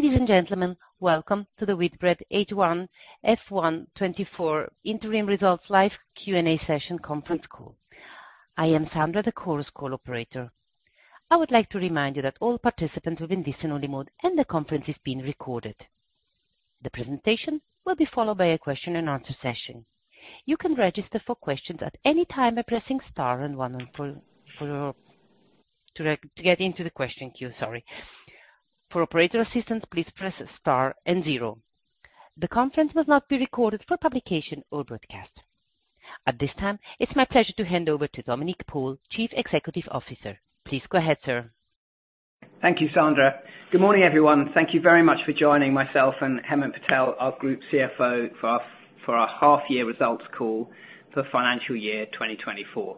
Ladies and gentlemen, welcome to the Whitbread H1 FY 2024 Interim Results Live Q&A Session conference call. I am Sandra, the conference call operator. I would like to remind you that all participants are in listen-only mode, and the conference is being recorded. The presentation will be followed by a question-and-answer session. You can register for questions at any time by pressing star and one to get into the question queue, sorry. For operator assistance, please press star and zero. The conference must not be recorded for publication or broadcast. At this time, it's my pleasure to hand over to Dominic Paul, Chief Executive Officer. Please go ahead, sir. Thank you, Sandra. Good morning, everyone. Thank you very much for joining myself and Hemant Patel, our Group CFO, for our half year results call for financial year 2024.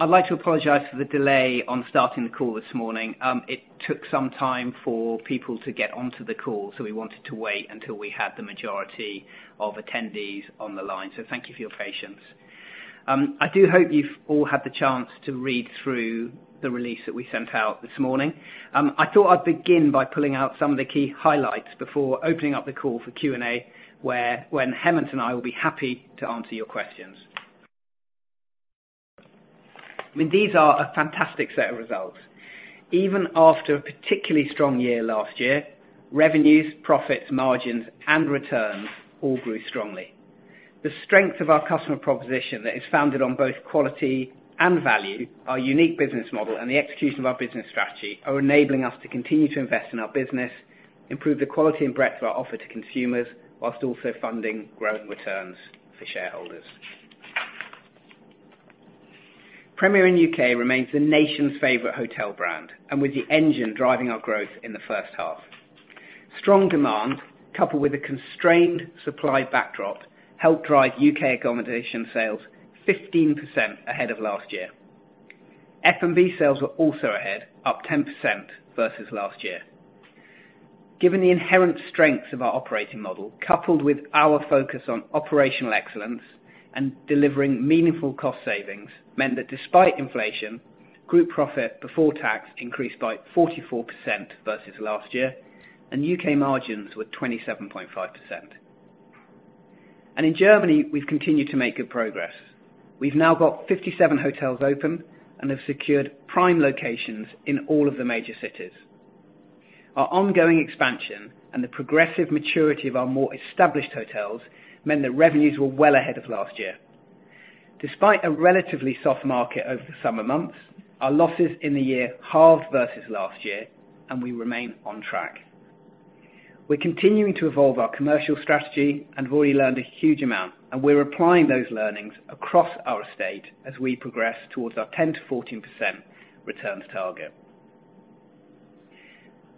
I'd like to apologize for the delay on starting the call this morning. It took some time for people to get onto the call, so we wanted to wait until we had the majority of attendees on the line. Thank you for your patience. I do hope you've all had the chance to read through the release that we sent out this morning. I thought I'd begin by pulling out some of the key highlights before opening up the call for Q&A, where, when Hemant and I will be happy to answer your questions. I mean, these are a fantastic set of results. Even after a particularly strong year last year, revenues, profits, margins, and returns all grew strongly. The strength of our customer proposition that is founded on both quality and value, our unique business model, and the execution of our business strategy, are enabling us to continue to invest in our business, improve the quality and breadth of our offer to consumers, while also funding growth and returns for shareholders. Premier Inn U.K. remains the nation's favorite hotel brand and the engine driving our growth in the first half. Strong demand, coupled with a constrained supply backdrop, helped drive U.K. accommodation sales 15% ahead of last year. F&B sales were also ahead, up 10% versus last year. Given the inherent strengths of our operating model, coupled with our focus on operational excellence and delivering meaningful cost savings, meant that despite inflation, group profit before tax increased by 44% versus last year, and U.K. margins were 27.5%. In Germany, we've continued to make good progress. We've now got 57 hotels open and have secured prime locations in all of the major cities. Our ongoing expansion and the progressive maturity of our more established hotels meant that revenues were well ahead of last year. Despite a relatively soft market over the summer months, our losses in the year halved versus last year, and we remain on track. We're continuing to evolve our commercial strategy and have already learned a huge amount, and we're applying those learnings across our estate as we progress towards our 10%-14% returns target.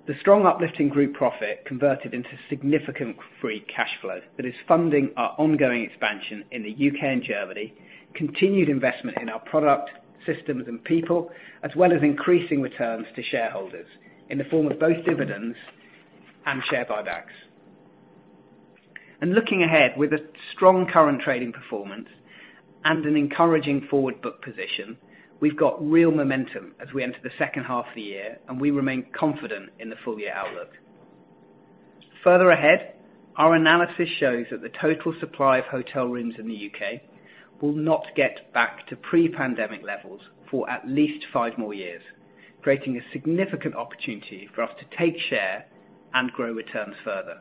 The strong uplifting group profit converted into significant free cash flow that is funding our ongoing expansion in the U.K. and Germany, continued investment in our product, systems and people, as well as increasing returns to shareholders in the form of both dividends and share buybacks. Looking ahead, with a strong current trading performance and an encouraging forward book position, we've got real momentum as we enter the second half of the year, and we remain confident in the full year outlook. Further ahead, our analysis shows that the total supply of hotel rooms in the U.K. will not get back to pre-pandemic levels for at least five more years, creating a significant opportunity for us to take share and grow returns further.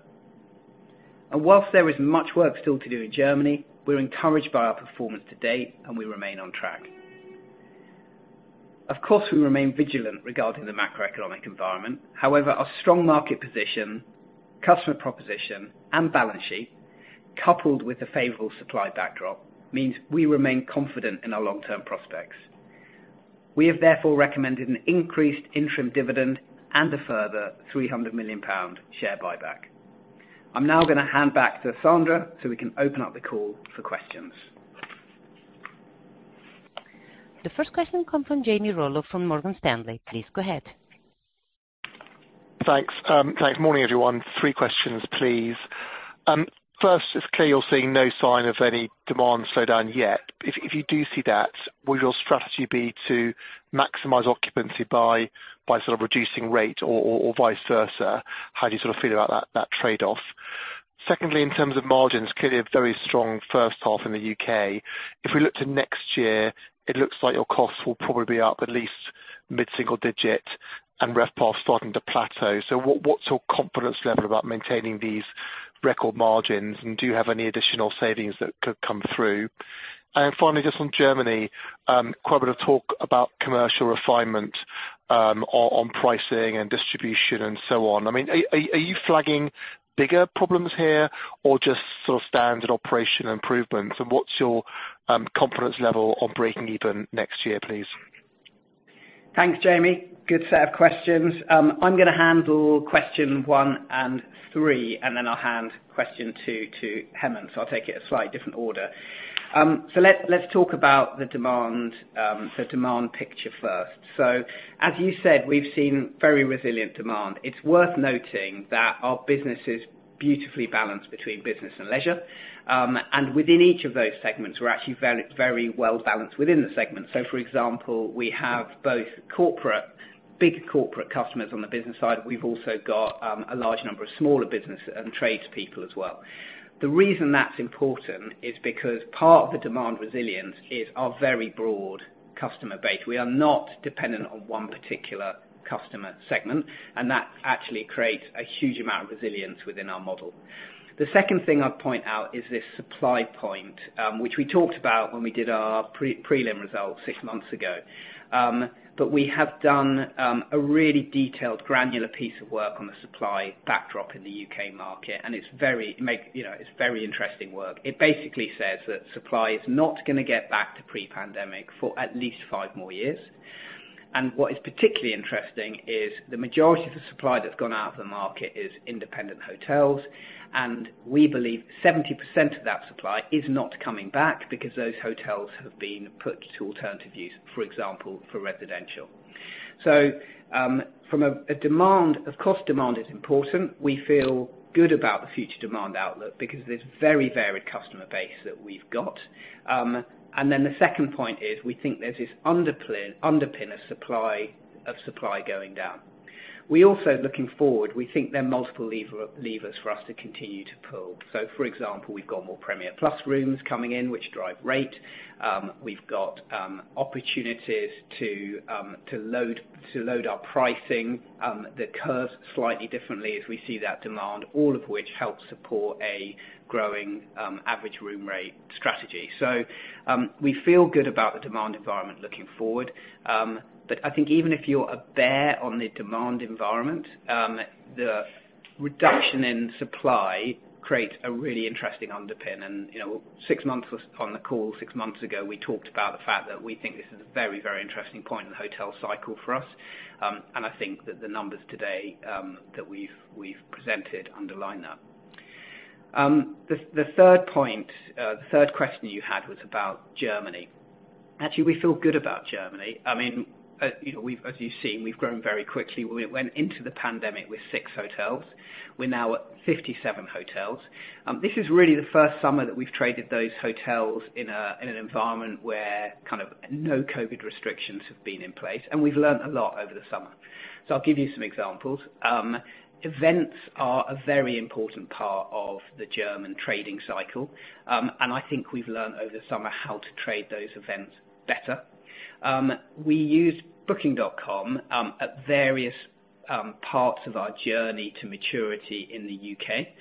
While there is much work still to do in Germany, we're encouraged by our performance to date, and we remain on track. Of course, we remain vigilant regarding the macroeconomic environment. However, our strong market position, customer proposition, and balance sheet, coupled with a favorable supply backdrop, means we remain confident in our long-term prospects. We have therefore recommended an increased interim dividend and a further 300 million pound share buyback. I'm now going to hand back to Sandra, so we can open up the call for questions. The first question comes from Jamie Rollo, from Morgan Stanley. Please go ahead. Thanks. Thanks, morning, everyone. Three questions, please. First, it's clear you're seeing no sign of any demand slowdown yet. If you do see that, will your strategy be to maximize occupancy by sort of reducing rate or vice versa? How do you sort of feel about that trade-off? Secondly, in terms of margins, clearly a very strong first half in the U.K. If we look to next year, it looks like your costs will probably be up at least mid-single digit and RevPAR starting to plateau. So what's your confidence level about maintaining these record margins, and do you have any additional savings that could come through? And finally, just on Germany, quite a bit of talk about commercial refinement on pricing and distribution and so on. I mean, are you flagging bigger problems here or just sort of standard operational improvements, and what's your confidence level on breaking even next year, please? Thanks, Jamie. Good set of questions. I'm going to handle question one and three, and then I'll hand question two to Hemant. So I'll take it a slightly different order. So let's talk about the demand picture first. So as you said, we've seen very resilient demand. It's worth noting that our business is beautifully balanced between business and leisure, and within each of those segments, we're actually very, very well balanced within the segments. So for example, we have both big corporate customers on the business side, we've also got a large number of smaller business and tradespeople as well. The reason that's important is because part of the demand resilience is our very broad customer base. We are not dependent on one particular customer segment, and that actually creates a huge amount of resilience within our model. The second thing I'd point out is this supply point, which we talked about when we did our prelim results six months ago. But we have done a really detailed granular piece of work on the supply backdrop in the U.K. market, and it's very you know, it's very interesting work. It basically says that supply is not gonna get back to pre-pandemic for at least five more years. And what is particularly interesting is the majority of the supply that's gone out of the market is independent hotels, and we believe 70% of that supply is not coming back because those hotels have been put to alternative use, for example, for residential. So, from a demand, of course, demand is important. We feel good about the future demand outlook because of this very varied customer base that we've got. And then the second point is, we think there's this underpin of supply going down. We also, looking forward, we think there are multiple levers for us to continue to pull. So for example, we've got more Premier Plus rooms coming in, which drive rate. We've got opportunities to load our pricing the curve slightly differently as we see that demand, all of which helps support a growing average room rate strategy. So, we feel good about the demand environment looking forward. But I think even if you're a bear on the demand environment, the reduction in supply creates a really interesting underpin. You know, 6 months, on the call 6 months ago, we talked about the fact that we think this is a very, very interesting point in the hotel cycle for us, and I think that the numbers today that we've presented underline that. The third point, the third question you had was about Germany. Actually, we feel good about Germany. I mean, you know, we've, as you've seen, we've grown very quickly. We went into the pandemic with 6 hotels. We're now at 57 hotels. This is really the first summer that we've traded those hotels in an environment where kind of no COVID restrictions have been in place, and we've learned a lot over the summer. So I'll give you some examples. Events are a very important part of the German trading cycle, and I think we've learned over the summer how to trade those events better. We used Booking.com at various parts of our journey to maturity in the U.K..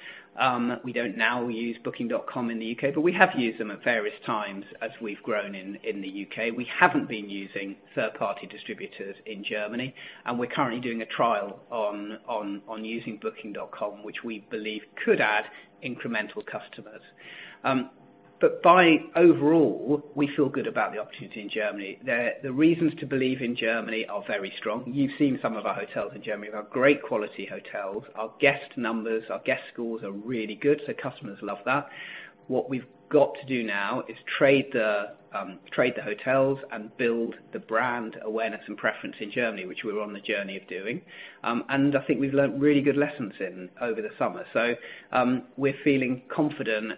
We don't now use Booking.com in the U.K., but we have used them at various times as we've grown in the U.K.. We haven't been using third-party distributors in Germany, and we're currently doing a trial on using Booking.com, which we believe could add incremental customers. But by overall, we feel good about the opportunity in Germany. The reasons to believe in Germany are very strong. You've seen some of our hotels in Germany. They're great quality hotels. Our guest numbers, our guest scores are really good, so customers love that. What we've got to do now is trade the hotels and build the brand awareness and preference in Germany, which we're on the journey of doing. I think we've learned really good lessons over the summer. So, we're feeling confident,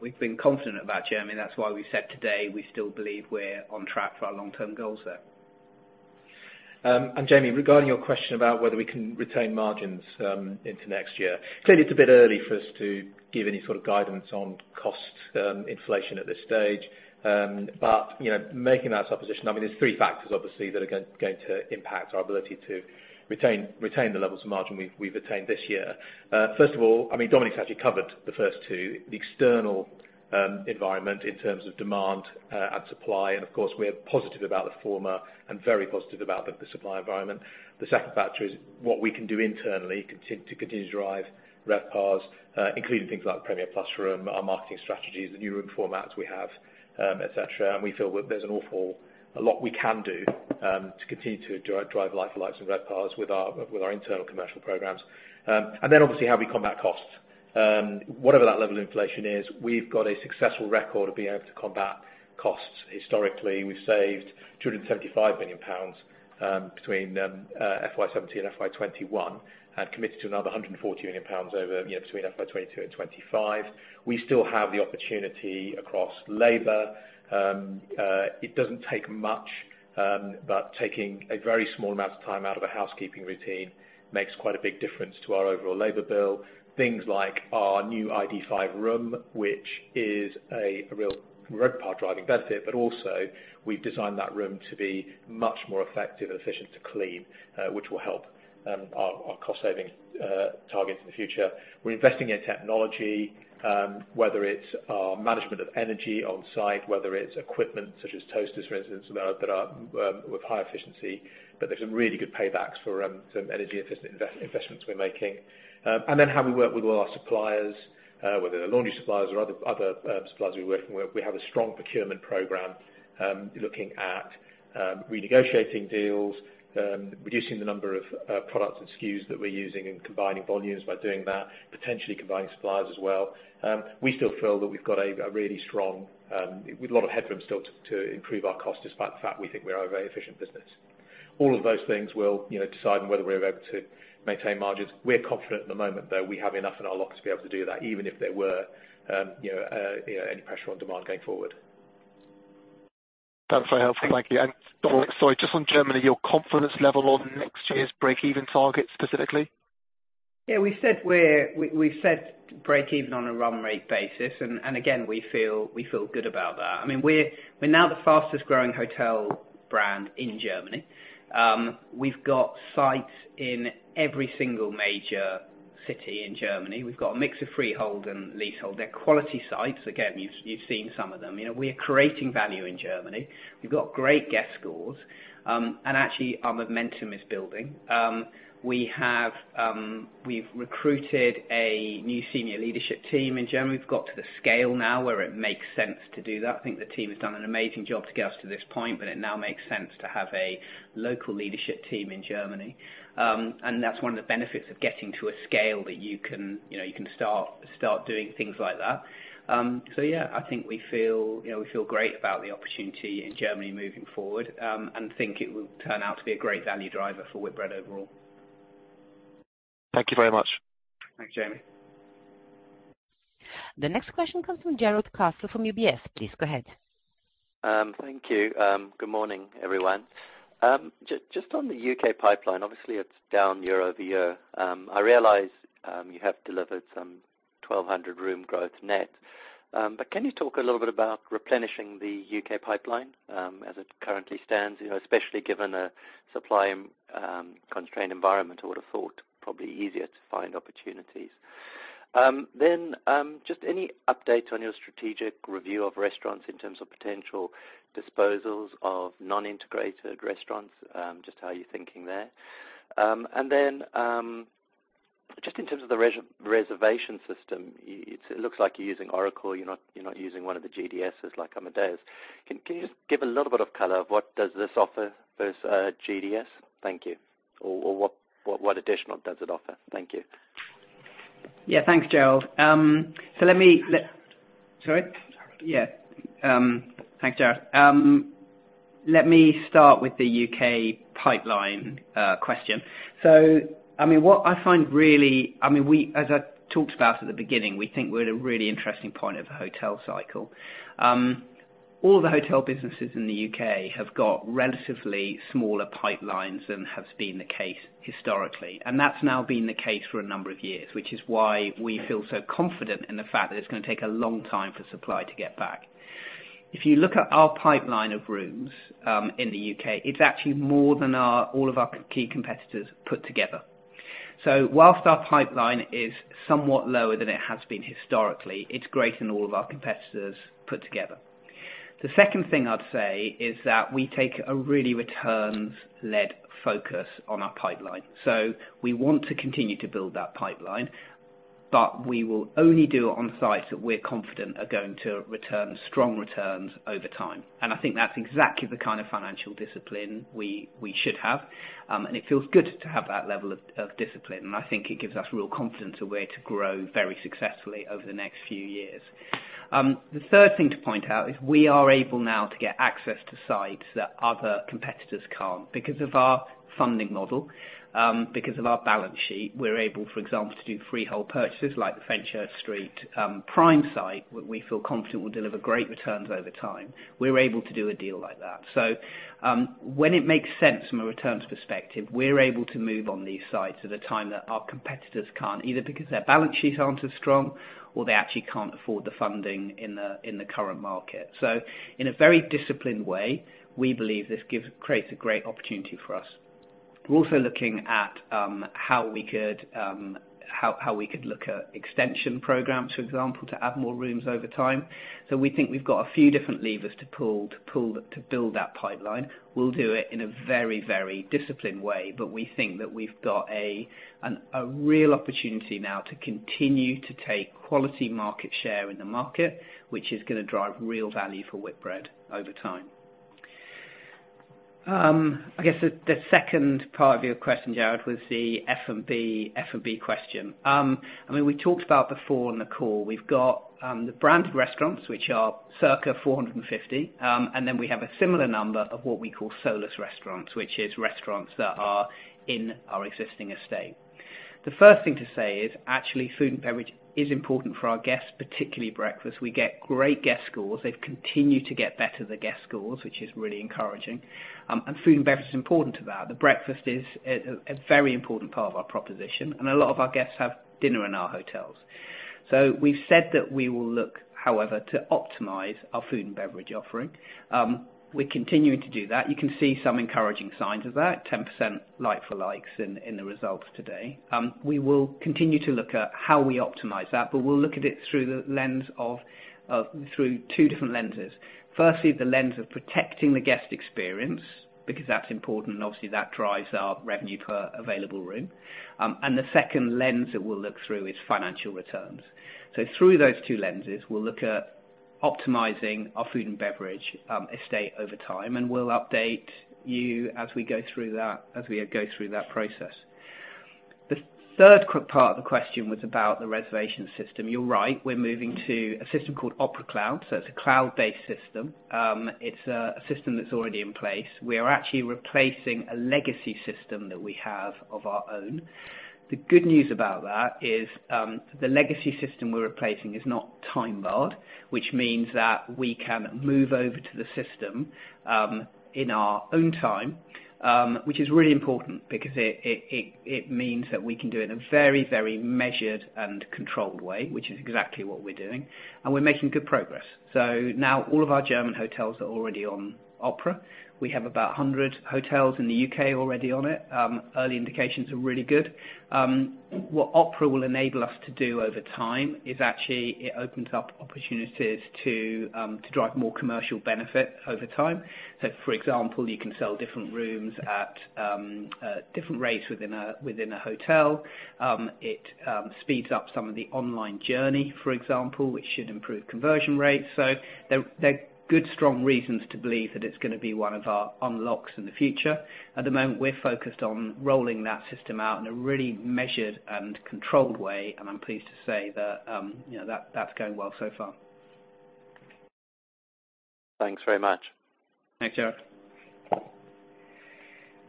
we've been confident about Germany. That's why we've said today we still believe we're on track for our long-term goals there. Jamie, regarding your question about whether we can retain margins into next year, clearly, it's a bit early for us to give any sort of guidance on cost inflation at this stage. But, you know, making that supposition, I mean, there's three factors, obviously, that are going to impact our ability to retain the levels of margin we've attained this year. First of all, I mean, Dominic's actually covered the first two, the external environment in terms of demand and supply, and of course, we're positive about the former and very positive about the supply environment. The second factor is what we can do internally to continue to drive RevPARs, including things like Premier Plus room, our marketing strategies, the new room formats we have, et cetera. We feel that there's an awful lot we can do to continue to drive like-for-likes and RevPARs with our internal commercial programs. And then obviously, how we combat costs. Whatever that level of inflation is, we've got a successful record of being able to combat costs. Historically, we've saved 275 million pounds between FY 2017 and FY 2021, and committed to another 140 million pounds over, you know, between FY 2022 and 2025. We still have the opportunity across labor. It doesn't take much, but taking a very small amount of time out of a housekeeping routine makes quite a big difference to our overall labor bill. Things like our new ID5 room, which is a real RevPAR driving benefit, but also we've designed that room to be much more effective and efficient to clean, which will help our cost savings targets in the future. We're investing in technology, whether it's our management of energy on site, whether it's equipment such as toasters, for instance, that are with high efficiency, but there's some really good paybacks for some energy efficiency investments we're making. And then how we work with all our suppliers, whether they're laundry suppliers or other suppliers we work with. We have a strong procurement program, looking at renegotiating deals, reducing the number of products and SKUs that we're using and combining volumes by doing that, potentially combining suppliers as well. We still feel that we've got a really strong, with a lot of headroom still to improve our cost, despite the fact we think we're a very efficient business. All of those things will, you know, decide on whether we're able to maintain margins. We're confident at the moment, though, we have enough in our lock to be able to do that, even if there were, you know, any pressure on demand going forward. That's very helpful. Thank you. Sorry, just on Germany, your confidence level on next year's breakeven target, specifically? Yeah, we said we're breakeven on a run rate basis, and again, we feel good about that. I mean, we're now the fastest growing hotel brand in Germany. We've got sites in every single major city in Germany. We've got a mix of freehold and leasehold. They're quality sites. Again, you've seen some of them. You know, we're creating value in Germany. We've got great guest scores, and actually, our momentum is building. We've recruited a new senior leadership team in Germany. We've got to the scale now where it makes sense to do that. I think the team has done an amazing job to get us to this point, but it now makes sense to have a local leadership team in Germany. And that's one of the benefits of getting to a scale that you can, you know, you can start doing things like that. So yeah, I think we feel, you know, we feel great about the opportunity in Germany moving forward, and think it will turn out to be a great value driver for Whitbread overall. Thank you very much. Thanks, Jamie. The next question comes from Jarrod Castle from UBS. Please go ahead. Thank you. Good morning, everyone. Just on the U.K. pipeline, obviously it's down year-over-year. I realize you have delivered some 1,200 room growth net. But can you talk a little bit about replenishing the U.K. pipeline as it currently stands? You know, especially given a supply constrained environment, I would have thought, probably easier to find opportunities. Then just any updates on your strategic review of restaurants in terms of potential disposals of non-integrated restaurants? Just how you're thinking there. And then just in terms of the reservation system, it looks like you're using Oracle, you're not using one of the GDSs like Amadeus. Can you just give a little bit of color of what does this offer versus GDS? Thank you. Or what additional does it offer? Thank you. Yeah, thanks, Jarrod. Let me start with the U.K. pipeline question. So, I mean, what I find really I mean, we—as I talked about at the beginning, we think we're at a really interesting point of the hotel cycle. All the hotel businesses in the U.K. have got relatively smaller pipelines than has been the case historically, and that's now been the case for a number of years, which is why we feel so confident in the fact that it's gonna take a long time for supply to get back. If you look at our pipeline of rooms in the U.K., it's actually more than all of our key competitors put together. So whilst our pipeline is somewhat lower than it has been historically, it's greater than all of our competitors put together. The second thing I'd say is that we take a really returns-led focus on our pipeline, so we want to continue to build that pipeline, but we will only do it on sites that we're confident are going to return strong returns over time. And I think that's exactly the kind of financial discipline we should have. And it feels good to have that level of discipline, and I think it gives us real confidence in where to grow very successfully over the next few years. The third thing to point out is we are able now to get access to sites that other competitors can't because of our funding model, because of our balance sheet, we're able, for example, to do freehold purchases like the Fenchurch Street prime site, where we feel confident will deliver great returns over time. We're able to do a deal like that. So, when it makes sense from a returns perspective, we're able to move on these sites at a time that our competitors can't, either because their balance sheets aren't as strong or they actually can't afford the funding in the, in the current market. So in a very disciplined way, we believe this gives, creates a great opportunity for us. We're also looking at how we could look at extension programs, for example, to add more rooms over time. So we think we've got a few different levers to pull, to build that pipeline. We'll do it in a very, very disciplined way, but we think that we've got a real opportunity now to continue to take quality market share in the market, which is gonna drive real value for Whitbread over time. I guess the second part of your question, Jarrod, was the F&B, F&B question. I mean, we talked about before on the call, we've got the brand restaurants, which are circa 450, and then we have a similar number of what we call Solus restaurants, which is restaurants that are in our existing estate. The first thing to say is actually food and beverage is important for our guests, particularly breakfast. We get great guest scores. They've continued to get better, the guest scores, which is really encouraging. And food and beverage is important to that. The breakfast is a very important part of our proposition, and a lot of our guests have dinner in our hotels. So we've said that we will look, however, to optimize our food and beverage offering. We're continuing to do that. You can see some encouraging signs of that, 10% like-for-likes in the results today. We will continue to look at how we optimize that, but we'll look at it through the lens of, through two different lenses. Firstly, the lens of protecting the guest experience, because that's important. Obviously, that drives our revenue per available room. And the second lens that we'll look through is financial returns. So through those two lenses, we'll look at optimizing our food and beverage estate over time, and we'll update you as we go through that, as we go through that process. The third part of the question was about the reservation system. You're right, we're moving to a system called OPERA Cloud. So it's a cloud-based system. It's a system that's already in place. We are actually replacing a legacy system that we have of our own. The good news about that is, the legacy system we're replacing is not time-barred, which means that we can move over to the system, in our own time, which is really important because it, it, it, it means that we can do it in a very, very measured and controlled way, which is exactly what we're doing, and we're making good progress. So now all of our German hotels are already on OPERA. We have about 100 hotels in the U.K. already on it. Early indications are really good. What OPERA will enable us to do over time is actually it opens up opportunities to drive more commercial benefit over time. So for example, you can sell different rooms at different rates within a hotel. It speeds up some of the online journey, for example, which should improve conversion rates. So there are good, strong reasons to believe that it's gonna be one of our unlocks in the future. At the moment, we're focused on rolling that system out in a really measured and controlled way, and I'm pleased to say that, you know, that's going well so far. Thanks very much. Thanks, Jared.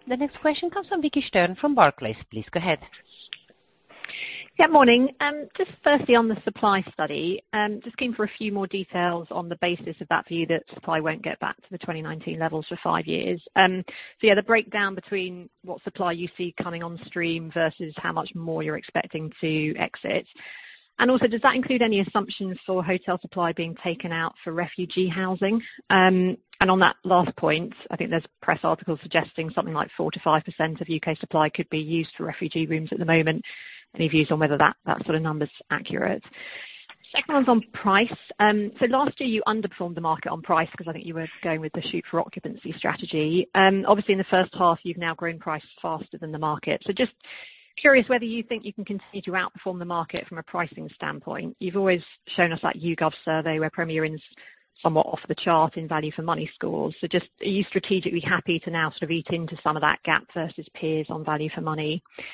The next question comes from Vicki Stern from Barclays. Please go ahead. Yeah, morning. Just firstly, on the supply study, just came for a few more details on the basis of that view that supply won't get back to the 2019 levels for five years. So yeah, the breakdown between what supply you see coming on stream versus how much more you're expecting to exit. And also, does that include any assumptions for hotel supply being taken out for refugee housing? And on that last point, I think there's press articles suggesting something like 4%-5% of U.K. supply could be used for refugee rooms at the moment. Any views on whether that, that sort of number's accurate? Second one's on price. So last year, you underperformed the market on price because I think you were going with the shoot for occupancy strategy. Obviously, in the first half, you've now grown prices faster than the market. So just curious whether you think you can continue to outperform the market from a pricing standpoint. You've always shown us that YouGov survey, where Premier Inn's somewhat off the chart in value for money scores. So just, are you strategically happy to now sort of eat into some of that gap versus peers on value for money? And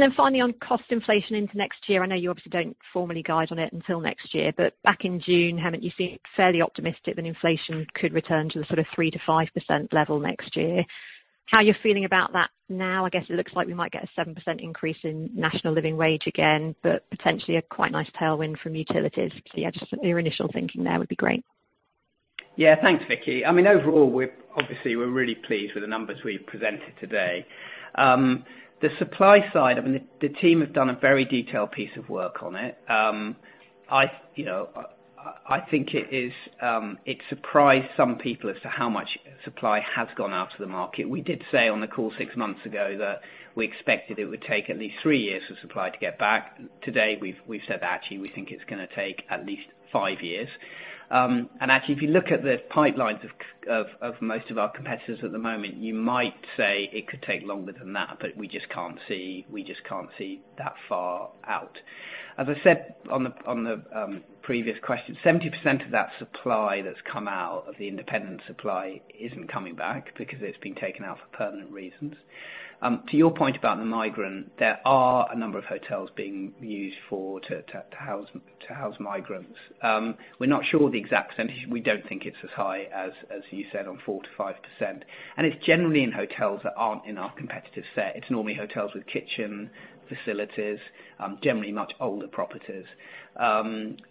then finally, on cost inflation into next year, I know you obviously don't formally guide on it until next year, but back in June, haven't you seemed fairly optimistic that inflation could return to the sort of 3%-5% level next year? How you're feeling about that now? I guess it looks like we might get a 7% increase in National Living Wage again, but potentially a quite nice tailwind from utilities. So yeah, just your initial thinking there would be great. Yeah, thanks, Vicky. I mean, overall, we're obviously, we're really pleased with the numbers we've presented today. The supply side, I mean, the team have done a very detailed piece of work on it. You know, I think it is, it surprised some people as to how much supply has gone out to the market. We did say on the call six months ago that we expected it would take at least three years for supply to get back. Today, we've said that actually, we think it's gonna take at least five years. And actually, if you look at the pipelines of most of our competitors at the moment, you might say it could take longer than that, but we just can't see, we just can't see that far out. As I said, on the previous question, 70% of that supply that's come out of the independent supply isn't coming back because it's been taken out for permanent reasons. To your point about the migrant, there are a number of hotels being used to house migrants. We're not sure of the exact percentage. We don't think it's as high as you said, on 4%-5%, and it's generally in hotels that aren't in our competitive set. It's normally hotels with kitchen facilities, generally much older properties. And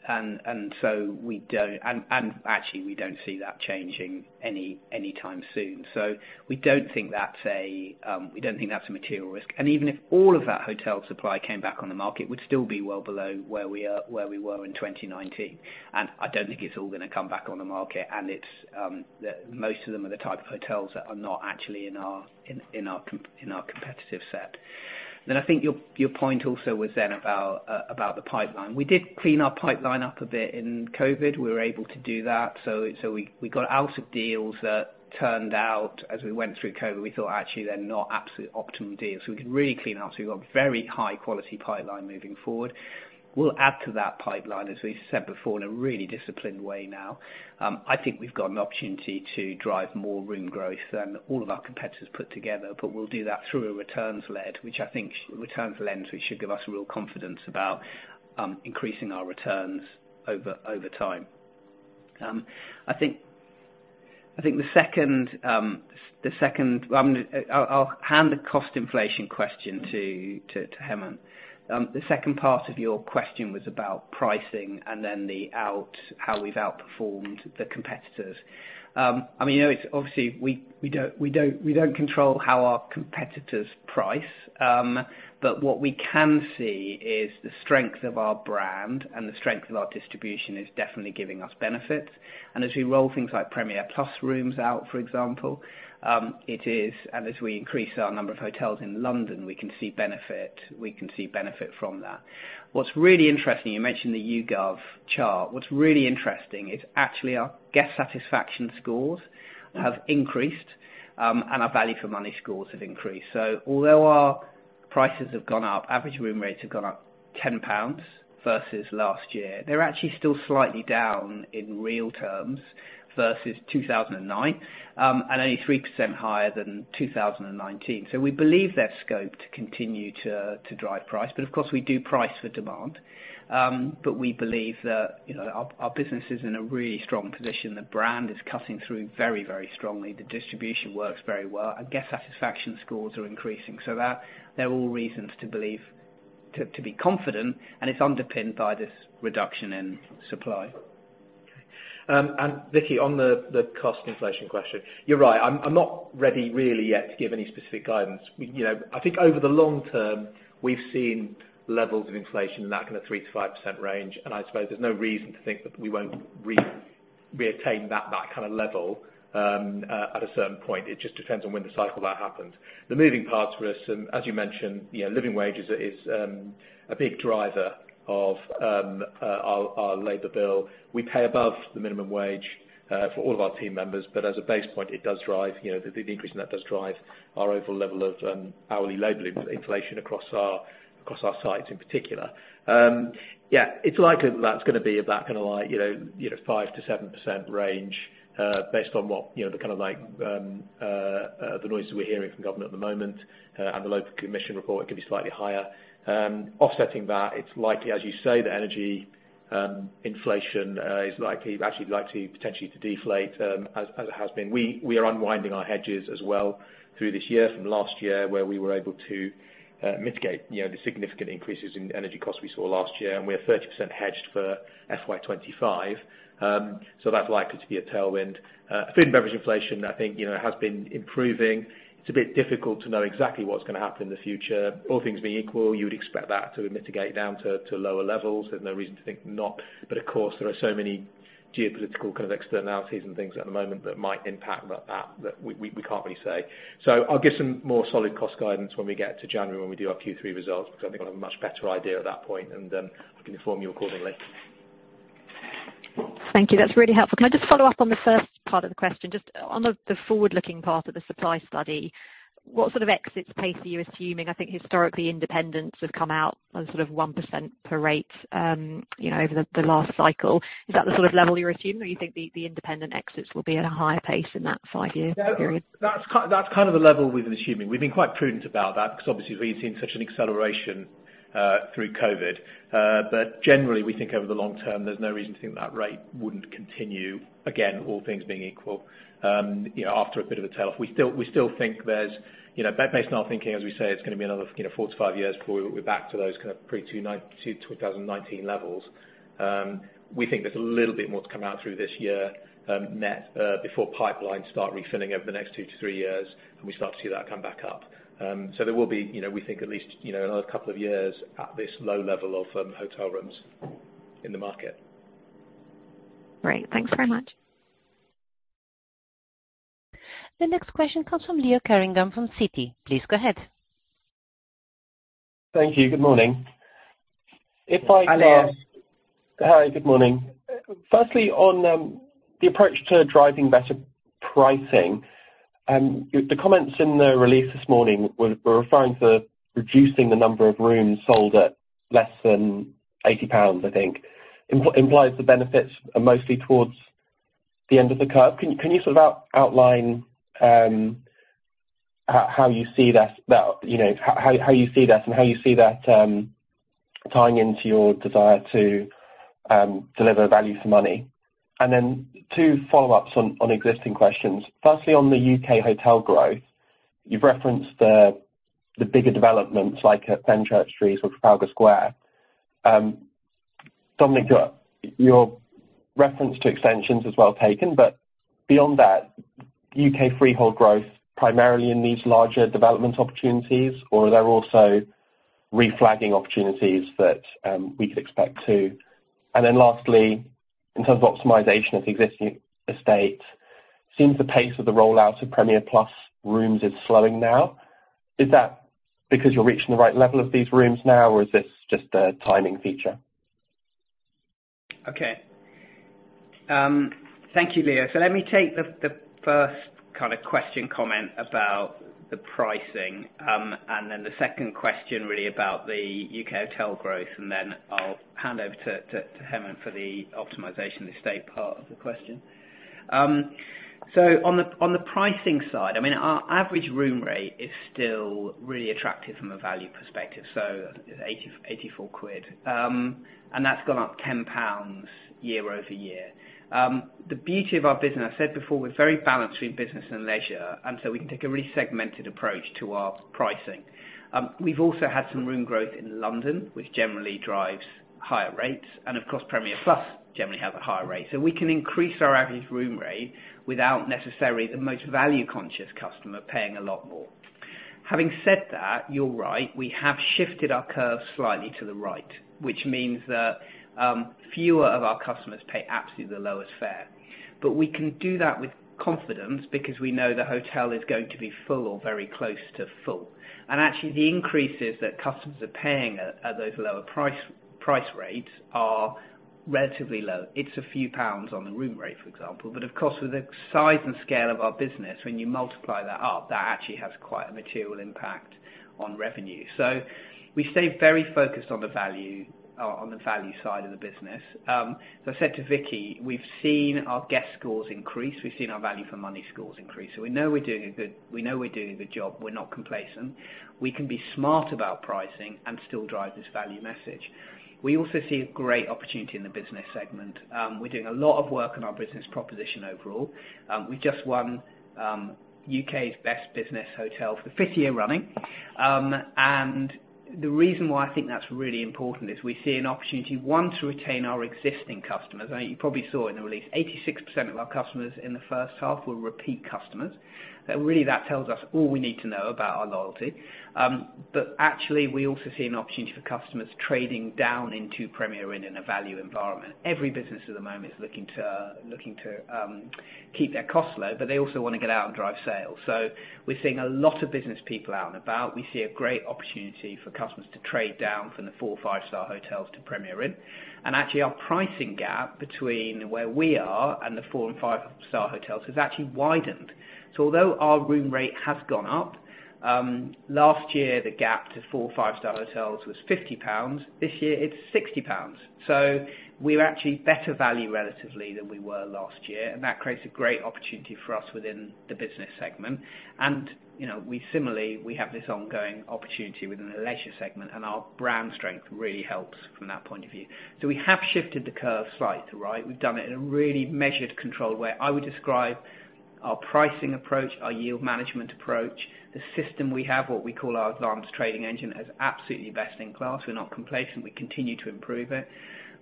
actually, we don't see that changing anytime soon. So we don't think that's a material risk, and even if all of that hotel supply came back on the market, it would still be well below where we are, where we were in 2019. And I don't think it's all gonna come back on the market, and it's the most of them are the type of hotels that are not actually in our competitive set. Then I think your point also was about the pipeline. We did clean our pipeline up a bit in COVID. We were able to do that, so we got out of deals that turned out as we went through COVID, we thought, actually, they're not absolute optimum deals. So we could really clean house. We've got very high-quality pipeline moving forward. We'll add to that pipeline, as we said before, in a really disciplined way now. I think we've got an opportunity to drive more room growth than all of our competitors put together, but we'll do that through a returns-led, which I think returns lens, which should give us real confidence about increasing our returns over time. I think the second. I'll hand the cost inflation question to Hemant. The second part of your question was about pricing and then the out- how we've outperformed the competitors. I mean, you know, it's obviously, we don't control how our competitors price, but what we can see is the strength of our brand and the strength of our distribution is definitely giving us benefits. As we roll things like Premier Plus rooms out, for example, and as we increase our number of hotels in London, we can see benefit, we can see benefit from that. What's really interesting, you mentioned the YouGov chart. What's really interesting is actually our guest satisfaction scores have increased, and our value for money scores have increased. So although our prices have gone up, average room rates have gone up 10 pounds versus last year, they're actually still slightly down in real terms versus 2009, and only 3% higher than 2019. So we believe there's scope to continue to, to drive price, but of course, we do price for demand. But we believe that, you know, our, our business is in a really strong position. The brand is cutting through very, very strongly. The distribution works very well. Our guest satisfaction scores are increasing, so there are all reasons to believe to be confident, and it's underpinned by this reduction in supply. Vicky, on the cost inflation question, you're right. I'm not ready really yet to give any specific guidance. We, you know, I think over the long term, we've seen levels of inflation in that kind of 3%-5% range, and I suppose there's no reason to think that we won't re-attain that kind of level at a certain point. It just depends on when the cycle that happens. The moving parts for us, and as you mentioned, you know, living wages is a big driver of our labor bill. We pay above the minimum wage for all of our team members, but as a base point, it does drive, you know, the increase in that does drive our overall level of hourly labor inflation across our sites in particular. Yeah, it's likely that's gonna be of that kind of like, you know, you know, 5%-7% range, based on what, you know, the kinda like, the noises we're hearing from government at the moment, and the local commission report, it could be slightly higher. Offsetting that, it's likely, as you say, the energy inflation is likely actually be likely potentially to deflate, as, as it has been. We are unwinding our hedges as well through this year from last year, where we were able to mitigate, you know, the significant increases in energy costs we saw last year, and we are 30% hedged for FY 2025. So that's likely to be a tailwind. Food and beverage inflation, I think, you know, has been improving. It's a bit difficult to know exactly what's gonna happen in the future. All things being equal, you would expect that to mitigate down to lower levels, and no reason to think not. But of course, there are so many geopolitical kind of externalities and things at the moment that might impact that, that we can't really say. So I'll give some more solid cost guidance when we get to January, when we do our Q3 results, because I think we'll have a much better idea at that point, and I can inform you accordingly. Thank you. That's really helpful. Can I just follow up on the first part of the question? Just on the forward-looking part of the supply study, what sort of exits pace are you assuming? I think historically, independents have come out on sort of 1% per year, you know, over the last cycle. Is that the sort of level you're assuming, or you think the independent exits will be at a higher pace in that five-year period? That's the level we've been assuming. We've been quite prudent about that because obviously we've seen such an acceleration through COVID. But generally, we think over the long term, there's no reason to think that rate wouldn't continue, again, all things being equal. You know, after a bit of a tailoff, we still think there's, you know, based on our thinking, as we say, it's gonna be another, you know, 4-5 years before we're back to those kind of pre-2019 levels. We think there's a little bit more to come out through this year, net, before pipelines start refilling over the next 2-3 years, and we start to see that come back up. So there will be, you know, we think at least, you know, another couple of years at this low level of hotel rooms in the market. Great. Thanks very much. The next question comes from Leo Carrington from Citi. Please go ahead. Thank you. Good morning. Hi, Leo. Hi, good morning. Firstly, on the approach to driving better pricing, the comments in the release this morning were referring to reducing the number of rooms sold at less than 80 pounds, I think. Implies the benefits are mostly towards the end of the curve. Can you sort of outline how you see that, you know, how you see that and how you see that tying into your desire to deliver value for money? And then two follow-ups on existing questions. Firstly, on the U.K. hotel growth, you've referenced the bigger developments like at Fenchurch Street or Trafalgar Square. Dominic, your reference to extensions is well taken, but beyond that, U.K. freehold growth, primarily in these larger development opportunities, or are there also reflagging opportunities that we could expect too? Then lastly, in terms of optimization of the existing estate, seems the pace of the rollout of Premier Plus rooms is slowing now. Is that because you're reaching the right level of these rooms now, or is this just a timing feature? Okay. Thank you, Leo. So let me take the first kind of question, comment about the pricing, and then the second question, really about the U.K. hotel growth, and then I'll hand over to Hemant for the optimization estate part of the question. So on the pricing side, I mean, our average room rate is still really attractive from a value perspective, so 84 quid, and that's gone up 10 pounds year-over-year. The beauty of our business, I said before, we're very balanced between business and leisure, and so we can take a really segmented approach to our pricing. We've also had some room growth in London, which generally drives higher rates, and of course, Premier Plus generally have a higher rate. So we can increase our average room rate without necessarily the most value-conscious customer paying a lot more. Having said that, you're right, we have shifted our curve slightly to the right, which means that, fewer of our customers pay absolutely the lowest fare. But we can do that with confidence because we know the hotel is going to be full or very close to full. And actually, the increases that customers are paying at those lower price rates are relatively low. It's a few pounds on the room rate, for example, but of course, with the size and scale of our business, when you multiply that up, that actually has quite a material impact on revenue. So we stay very focused on the value, on the value side of the business. As I said to Vicky, we've seen our guest scores increase, we've seen our value for money scores increase, so we know we're doing a good job. We're not complacent. We can be smart about pricing and still drive this value message. We also see a great opportunity in the business segment. We're doing a lot of work on our business proposition overall. We just won U.K.'s Best Business Hotel for the fifth year running. And the reason why I think that's really important is we see an opportunity, one, to retain our existing customers. You probably saw in the release, 86% of our customers in the first half were repeat customers. So really, that tells us all we need to know about our loyalty. But actually, we also see an opportunity for customers trading down into Premier Inn in a value environment. Every business at the moment is looking to keep their costs low, but they also wanna get out and drive sales. So we're seeing a lot of business people out and about. We see a great opportunity for customers to trade down from the four, five-star hotels to Premier Inn. And actually, our pricing gap between where we are and the four and five-star hotels has actually widened. So although our room rate has gone up, last year, the gap to four, five-star hotels was 50 pounds, this year it's 60 pounds. So we're actually better value relatively than we were last year, and that creates a great opportunity for us within the business segment. You know, we similarly, we have this ongoing opportunity within the leisure segment, and our brand strength really helps from that point of view. So we have shifted the curve slightly, right? We've done it in a really measured, controlled way. I would describe our pricing approach, our yield management approach, the system we have, what we call our Advanced Trading Engine, as absolutely best in class. We're not complacent, we continue to improve it.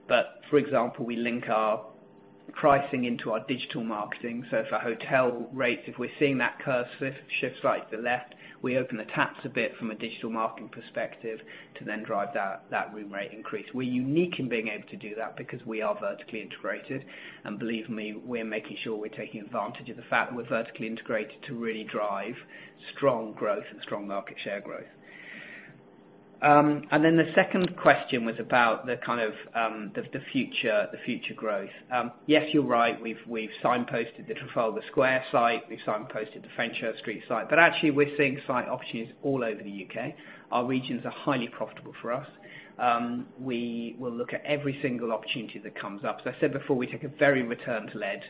But, for example, we link our pricing into our digital marketing. So for hotel rates, if we're seeing that curve shift, shift slightly to the left, we open the taps a bit from a digital marketing perspective to then drive that, that room rate increase. We're unique in being able to do that because we are vertically integrated, and believe me, we're making sure we're taking advantage of the fact that we're vertically integrated to really drive strong growth and strong market share growth. And then the second question was about the kind of future growth. Yes, you're right. We've signposted the Trafalgar Square site, we've signposted the Fenchurch Street site, but actually, we're seeing site opportunities all over the U.K.. Our regions are highly profitable for us. We will look at every single opportunity that comes up. So I said before, we take a very return-led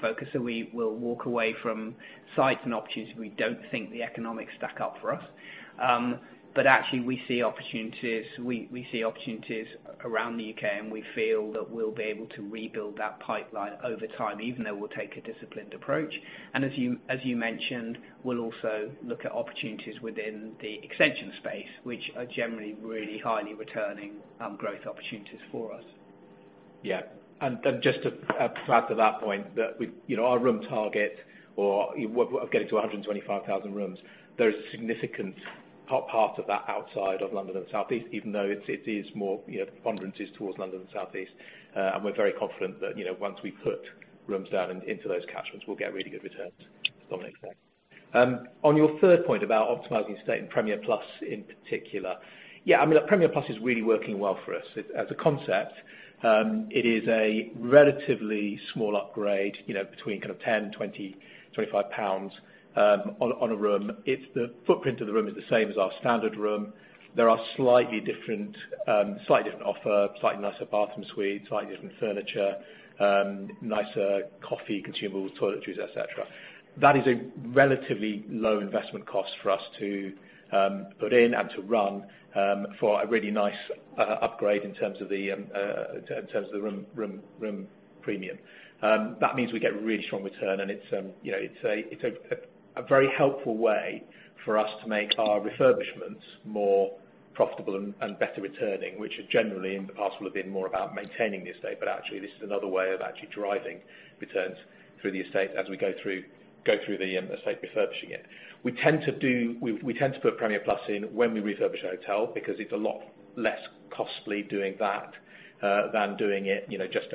focus, so we will walk away from sites and opportunities if we don't think the economics stack up for us. But actually, we see opportunities around the U.K., and we feel that we'll be able to rebuild that pipeline over time, even though we'll take a disciplined approach. As you mentioned, we'll also look at opportunities within the extension space, which are generally really highly returning growth opportunities for us. Yeah. And then just to add to that point, that we—you know, our room target of getting to 125,000 rooms, there is a significant part of that outside of London and Southeast, even though it is more, you know, preponderance is towards London and Southeast. And we're very confident that, you know, once we put rooms down into those catchments, we'll get really good returns, Dominic there. On your third point about optimizing estate and Premier Plus, in particular, yeah, I mean, look, Premier Plus is really working well for us. As a concept, it is a relatively small upgrade, you know, between kind of 10, 20, 25 pounds, on a room. It's—the footprint of the room is the same as our standard room. There are slightly different, slightly different offer, slightly nicer bathroom suite, slightly different furniture, nicer coffee, consumables, toiletries, et cetera. That is a relatively low investment cost for us to put in and to run for a really nice upgrade in terms of the, in terms of the room premium. That means we get a really strong return, and it's, you know, it's a, it's a very helpful way for us to make our refurbishments more profitable and better returning, which generally in the past will have been more about maintaining the estate. But actually, this is another way of actually driving returns through the estate as we go through the estate refurbishing it. We tend to put Premier Plus in when we refurbish a hotel because it's a lot less costly doing that than doing it, you know, just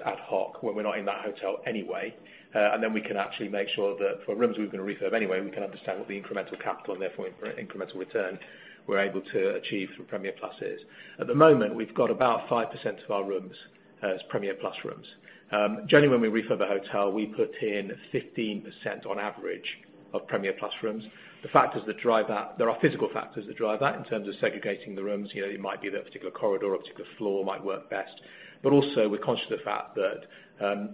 ad hoc when we're not in that hotel anyway. And then we can actually make sure that for rooms we're gonna refurb anyway, we can understand what the incremental capital and therefore incremental return we're able to achieve through Premier Plus is. At the moment, we've got about 5% of our rooms as Premier Plus rooms. Generally, when we refurb a hotel, we put in 15%, on average, of Premier Plus rooms. The factors that drive that, there are physical factors that drive that in terms of segregating the rooms. You know, it might be that a particular corridor or a particular floor might work best. But also, we're conscious of the fact that,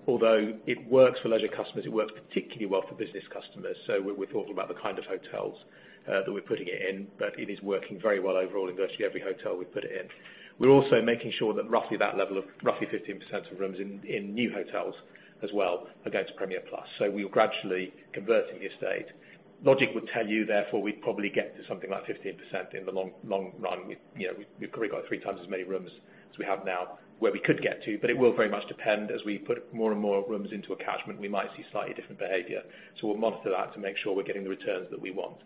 although it works for leisure customers, it works particularly well for business customers. So we're thoughtful about the kind of hotels that we're putting it in, but it is working very well overall in virtually every hotel we've put it in. We're also making sure that roughly that level of roughly 15% of rooms in new hotels as well are going to Premier Plus. So we're gradually converting the estate. Logic would tell you, therefore, we'd probably get to something like 15% in the long, long run. You know, we've currently got three times as many rooms as we have now where we could get to, but it will very much depend as we put more and more rooms into a catchment, we might see slightly different behavior. So we'll monitor that to make sure we're getting the returns that we want.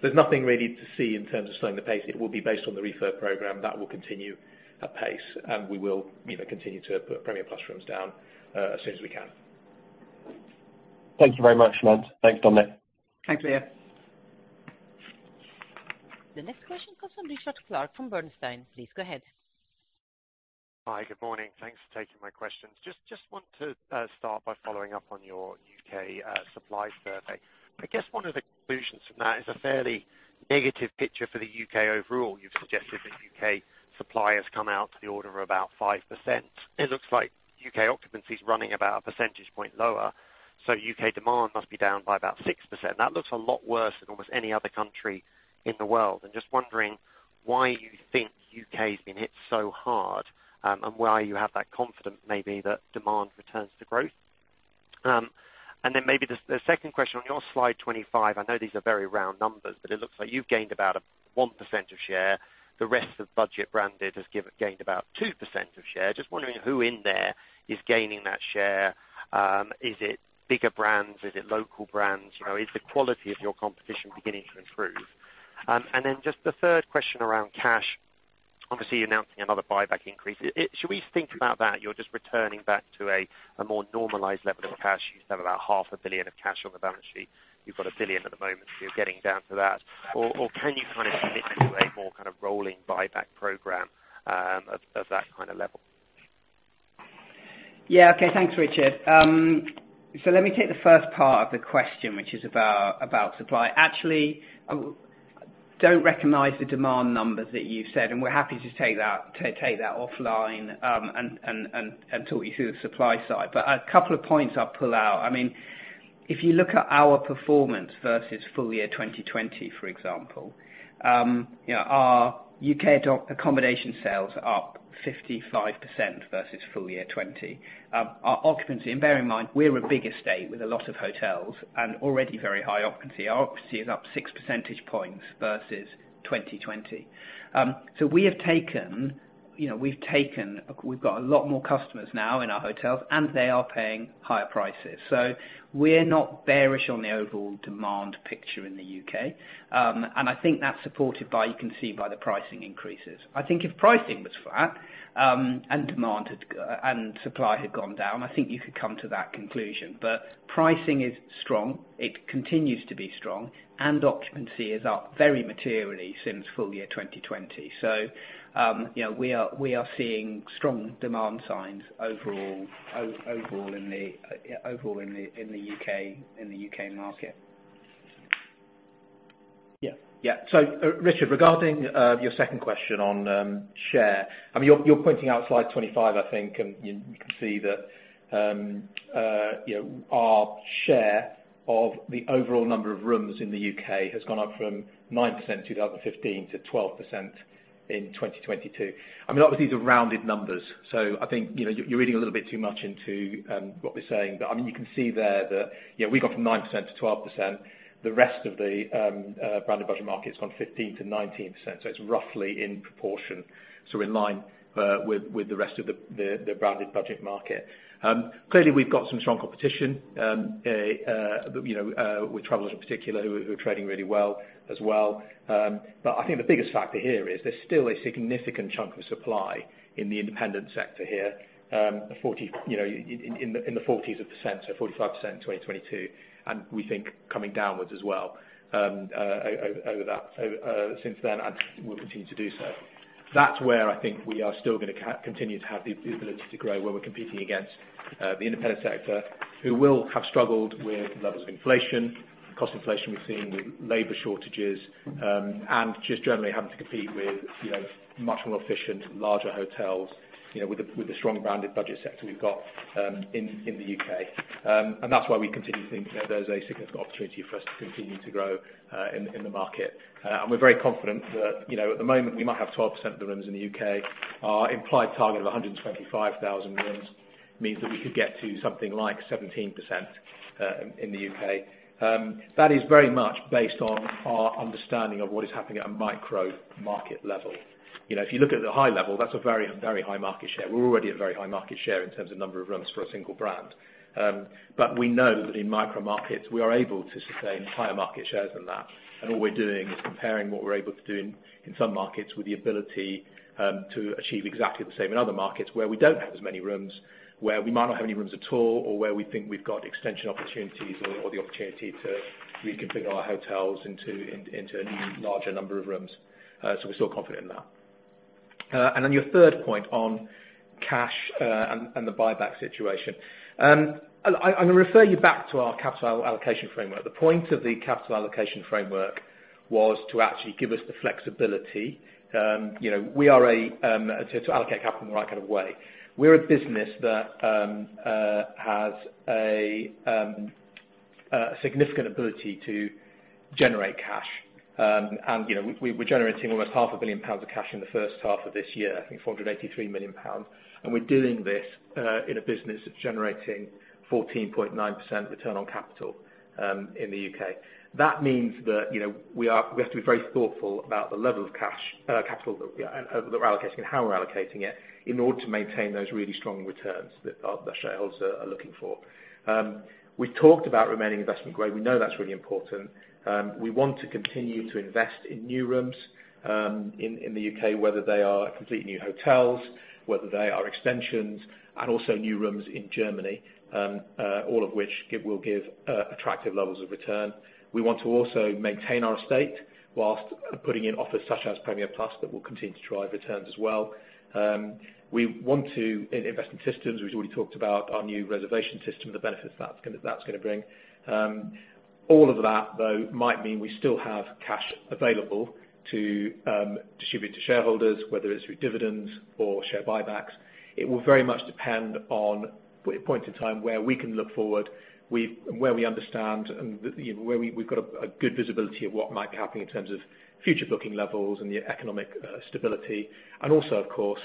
There's nothing really to see in terms of slowing the pace. It will be based on the refurb program. That will continue apace, and we will, you know, continue to put Premier Plus rooms down, as soon as we can. Thank you very much, Leo. Thanks, Dominic. Thanks, Leo. The next question comes from Richard Clarke, from Bernstein. Please go ahead. Hi, good morning. Thanks for taking my questions. Just, just want to start by following up on your U.K. supply survey. I guess one of the conclusions from that is a fairly negative picture for the U.K. overall. You've suggested that U.K. supply has come out to the order of about 5%. It looks like U.K. occupancy is running about a percentage point lower So U.K. demand must be down by about 6%. That looks a lot worse than almost any other country in the world. I'm just wondering why you think U.K. has been hit so hard, and why you have that confidence maybe that demand returns to growth? And then maybe the, the second question, on your slide 25, I know these are very round numbers, but it looks like you've gained about a 1% of share. The rest of budget branded has gained about 2% of share. Just wondering who in there is gaining that share? Is it bigger brands? Is it local brands? You know, is the quality of your competition beginning to improve? And then just the third question around cash. Obviously, you're announcing another buyback increase. Should we think about that, you're just returning back to a more normalized level of cash. You used to have about 500 million of cash on the balance sheet. You've got 1 billion at the moment, so you're getting down to that. Or can you kind of commit to a more kind of rolling buyback program of that kind of level? Yeah, okay, thanks, Richard. So let me take the first part of the question, which is about supply. Actually, I don't recognize the demand numbers that you said, and we're happy to take that offline, and talk you through the supply side. But a couple of points I'll pull out. I mean, if you look at our performance versus full year 2020, for example, you know, our U.K. accommodation sales are up 55% versus full year 2020. Our occupancy, and bear in mind, we're a big estate with a lot of hotels and already very high occupancy. Our occupancy is up six percentage points versus 2020. So we have taken, you know, we've taken We've got a lot more customers now in our hotels, and they are paying higher prices. So we're not bearish on the overall demand picture in the U.K.. And I think that's supported by, you can see by the pricing increases. I think if pricing was flat, and demand had and supply had gone down, I think you could come to that conclusion. But pricing is strong, it continues to be strong, and occupancy is up very materially since full year 2020. So, you know, we are seeing strong demand signs overall, overall in the, yeah, overall in the, in the U.K., in the U.K. market. Yeah. Yeah. So, Richard, regarding your second question on share, I mean, you're pointing out slide 25, I think, and you can see that, you know, our share of the overall number of rooms in the U.K. has gone up from 9% in 2015 to 12% in 2022. I mean, obviously, these are rounded numbers, so I think, you know, you're reading a little bit too much into what we're saying. But, I mean, you can see there that, you know, we got from 9%-12%. The rest of the branded budget market has gone from 15%-19%, so it's roughly in proportion, so in line with the rest of the branded budget market. Clearly, we've got some strong competition, you know, with Travelodge in particular, who are trading really well as well. But I think the biggest factor here is there's still a significant chunk of supply in the independent sector here, 40, you know, in the 40s%, so 45% in 2022, and we think coming downwards as well, over that since then, and will continue to do so. That's where I think we are still gonna continue to have the, the ability to grow, where we're competing against, the independent sector, who will have struggled with levels of inflation, cost inflation we've seen, with labor shortages, and just generally having to compete with, you know, much more efficient, larger hotels, you know, with the, with the strong branded budget sector we've got, in, in the U.K. And that's why we continue to think that there's a significant opportunity for us to continue to grow, in, in the market. And we're very confident that, you know, at the moment, we might have 12% of the rooms in the U.K. Our implied target of 125,000 rooms means that we could get to something like 17%, in the U.K. That is very much based on our understanding of what is happening at a micro market level. You know, if you look at the high level, that's a very, very high market share. We're already at a very high market share in terms of number of rooms for a single brand. But we know that in micro markets, we are able to sustain higher market shares than that. And all we're doing is comparing what we're able to do in some markets with the ability to achieve exactly the same in other markets where we don't have as many rooms, where we might not have any rooms at all, or where we think we've got extension opportunities or the opportunity to reconfigure our hotels into a larger number of rooms. So we're still confident in that. And then your third point on cash and the buyback situation. I'm gonna refer you back to our capital allocation framework. The point of the capital allocation framework was to actually give us the flexibility. You know, we are to allocate capital in the right kind of way. We're a business that has a significant ability to generate cash. You know, we're generating almost 500 million pounds of cash in the first half of this year, I think 483 million pounds, and we're doing this in a business that's generating 14.9% return on capital in the U.K.. That means that, you know, we are we have to be very thoughtful about the level of cash capital that that we're allocating and how we're allocating it, in order to maintain those really strong returns that our our shareholders are looking for. We talked about remaining investment grade. We know that's really important. We want to continue to invest in new rooms in the U.K., whether they are completely new hotels, whether they are extensions and also new rooms in Germany, all of which will give attractive levels of return. We want to also maintain our estate whilst putting in offers such as Premier Plus, that will continue to drive returns as well. We want to invest in systems. We've already talked about our new reservation system, the benefits that's gonna bring. All of that, though, might mean we still have cash available to distribute to shareholders, whether it's through dividends or share buybacks. It will very much depend on points in time where we can look forward, where we understand and, you know, where we've got a good visibility of what might be happening in terms of future booking levels and the economic stability, and also, of course,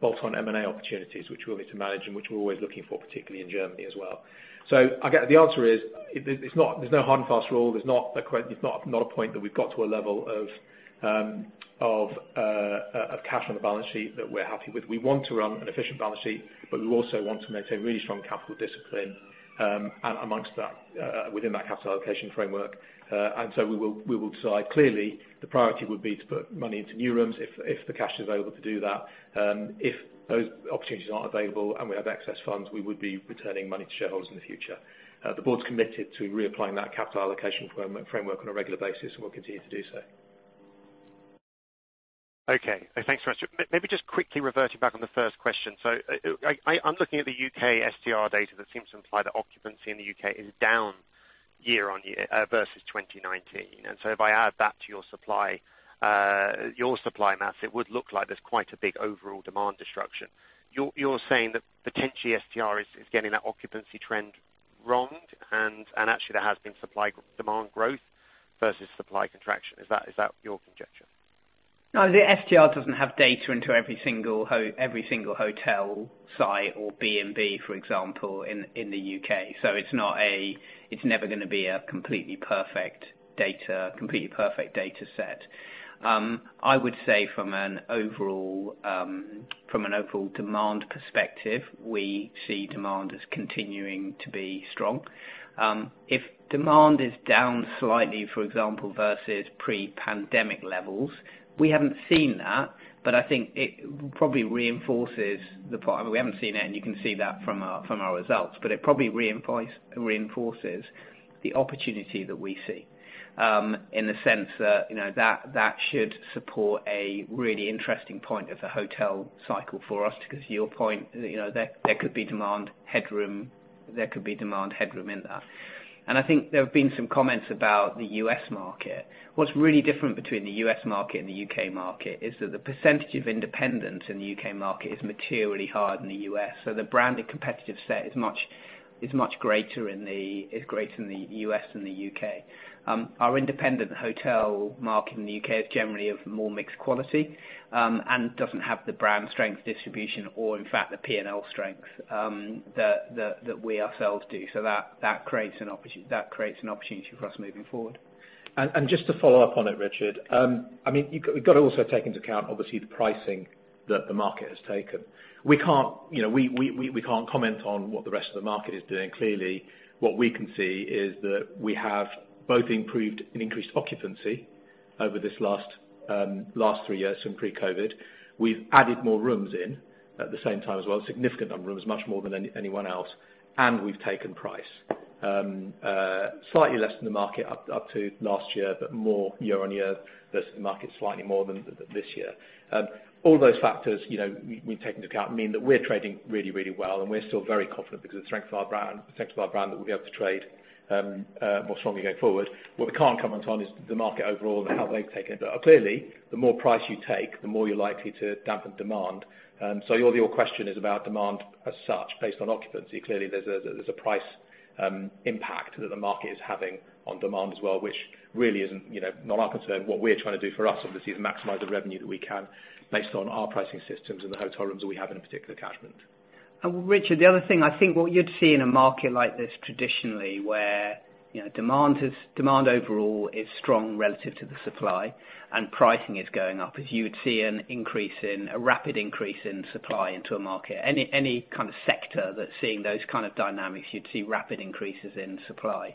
bolt-on M&A opportunities, which we'll need to manage and which we're always looking for, particularly in Germany as well. So I guess the answer is, it's not. There's no hard and fast rule. There's not quite. There's not a point that we've got to a level of cash on the balance sheet that we're happy with. We want to run an efficient balance sheet, but we also want to maintain really strong capital discipline, among that, within that capital allocation framework. And so we will, we will decide. Clearly, the priority would be to put money into new rooms if, if the cash is available to do that. If those opportunities aren't available and we have excess funds, we would be returning money to shareholders in the future. The board's committed to reapplying that capital allocation framework on a regular basis, and we'll continue to do so. Okay, thanks very much. Maybe just quickly reverting back on the first question. So, I'm looking at the U.K. STR data that seems to imply that occupancy in the U.K. is down year-on-year versus 2019. And so if I add that to your supply, your supply mass, it would look like there's quite a big overall demand disruption. You're saying that potentially STR is getting that occupancy trend wrong, and actually there has been supply demand growth versus supply contraction. Is that your conjecture? No, the STR doesn't have data into every single hotel site or B&B, for example, in the U.K.. So it's not a It's never gonna be a completely perfect data set. I would say from an overall demand perspective, we see demand as continuing to be strong. If demand is down slightly, for example, versus pre-pandemic levels, we haven't seen that, but I think it probably reinforces the point. We haven't seen it, and you can see that from our results, but it probably reinforces the opportunity that we see, in the sense that, you know, that should support a really interesting point of the hotel cycle for us. Because your point, you know, there could be demand headroom in that. I think there have been some comments about the U.S. market. What's really different between the U.S. market and the U.K. market is that the percentage of independent in the U.K. market is materially higher than the U.S., so the branded competitive set is much greater in the U.S. than the U.K. Our independent hotel market in the U.K. is generally of more mixed quality, and doesn't have the brand strength, distribution, or in fact, the P&L strength, that we ourselves do. So that creates an opportunity for us moving forward. Just to follow up on it, Richard, I mean, you've got to also take into account, obviously, the pricing that the market has taken. We can't, you know, we can't comment on what the rest of the market is doing. Clearly, what we can see is that we have both improved and increased occupancy over this last three years from pre-COVID. We've added more rooms in at the same time as well, a significant number of rooms, much more than anyone else, and we've taken price. Slightly less than the market up to last year, but more year-on-year versus the market, slightly more than this year. All those factors, you know, when taken into account, mean that we're trading really, really well, and we're still very confident because of the strength of our brand, strength of our brand, that we'll be able to trade more strongly going forward. What we can't comment on is the market overall and how they've taken it. But clearly, the more price you take, the more you're likely to dampen demand. So your, your question is about demand as such, based on occupancy. Clearly, there's a, there's a price impact that the market is having on demand as well, which really isn't, you know, not our concern. What we're trying to do for us, obviously, is maximize the revenue that we can based on our pricing systems and the hotel rooms that we have in a particular catchment. And Richard, the other thing, I think what you'd see in a market like this traditionally, where, you know, demand is Demand overall is strong relative to the supply, and pricing is going up, as you would see an increase in, a rapid increase in supply into a market. Any, any kind of sector that's seeing those kind of dynamics, you'd see rapid increases in supply.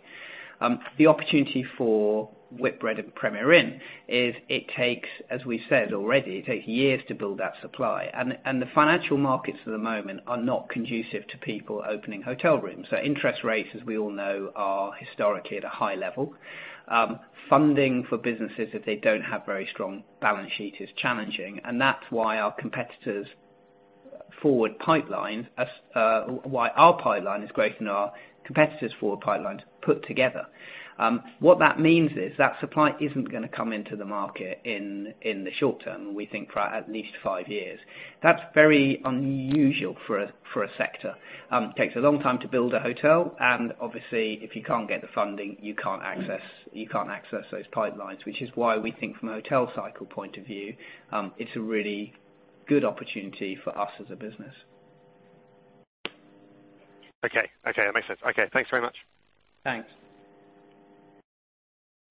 The opportunity for Whitbread and Premier Inn is it takes, as we said already, it takes years to build that supply, and, and the financial markets at the moment are not conducive to people opening hotel rooms. So interest rates, as we all know, are historically at a high level. Funding for businesses, if they don't have very strong balance sheet, is challenging, and that's why our competitors' forward pipeline, why our pipeline is greater than our competitors' forward pipelines put together. What that means is, that supply isn't gonna come into the market in the short term, we think for at least five years. That's very unusual for a sector. It takes a long time to build a hotel, and obviously, if you can't get the funding, you can't access those pipelines. Which is why we think from a hotel cycle point of view, it's a really good opportunity for us as a business. Okay. Okay, that makes sense. Okay, thanks very much. Thanks.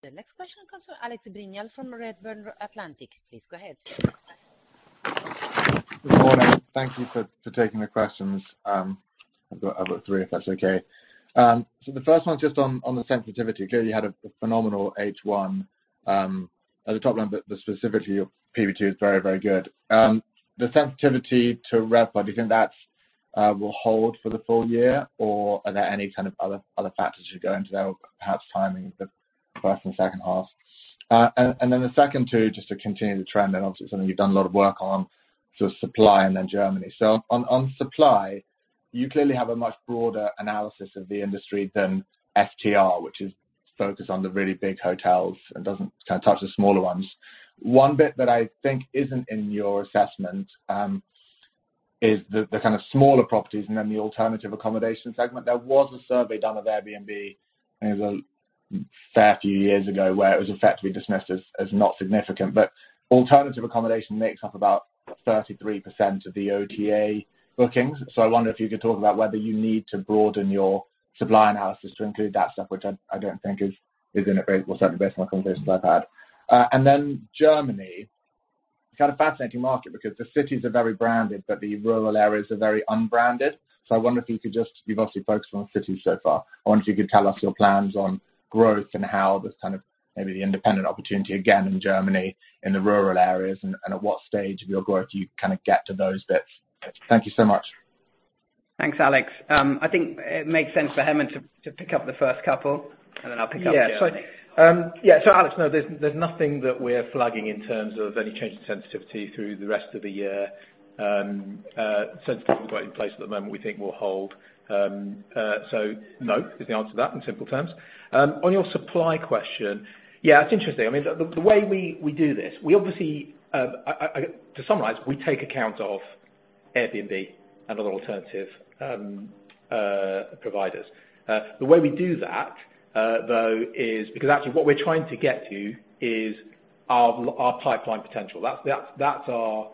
The next question comes from Alex Brignall, from Redburn Atlantic. Please go ahead. Good morning. Thank you for taking the questions. I've got three, if that's okay. So the first one is just on the sensitivity. Clearly, you had a phenomenal H1 at the top line, but the specificity of PBT is very, very good. The sensitivity to rev, do you think that will hold for the full year, or are there any kind of other factors you go into there, or perhaps timing of the first and second half? And then the second two, just to continue the trend, and obviously something you've done a lot of work on, so supply and then Germany. So on supply, you clearly have a much broader analysis of the industry than STR, which is focused on the really big hotels and doesn't kind of touch the smaller ones. One bit that I think isn't in your assessment is the kind of smaller properties and then the alternative accommodation segment. There was a survey done of AirB&B. It was a fair few years ago, where it was effectively dismissed as not significant. But alternative accommodation makes up about 33% of the OTA bookings. So I wonder if you could talk about whether you need to broaden your supply analysis to include that stuff, which I don't think is in it, well, certainly based on the conversations I've had. And then Germany, kind of fascinating market because the cities are very branded, but the rural areas are very unbranded. So I wonder if you could just. You've obviously focused on cities so far. I wonder if you could tell us your plans on growth and how this kind of maybe the independent opportunity, again, in Germany, in the rural areas, and, and at what stage of your growth you kind of get to those bits? Thank you so much. Thanks, Alex. I think it makes sense for Hemant to pick up the first couple, and then I'll pick up Germany. Yeah. So, yeah, so Alex, no, there's, there's nothing that we're flagging in terms of any change in sensitivity through the rest of the year. Sensitivity we've got in place at the moment, we think will hold. So no, is the answer to that in simple terms. On your supply question, yeah, it's interesting. I mean, the, the way we, we do this, we obviously, to summarize, we take account of AirB&B and other alternative providers. The way we do that, though, is because actually what we're trying to get to is our pipeline potential. That's our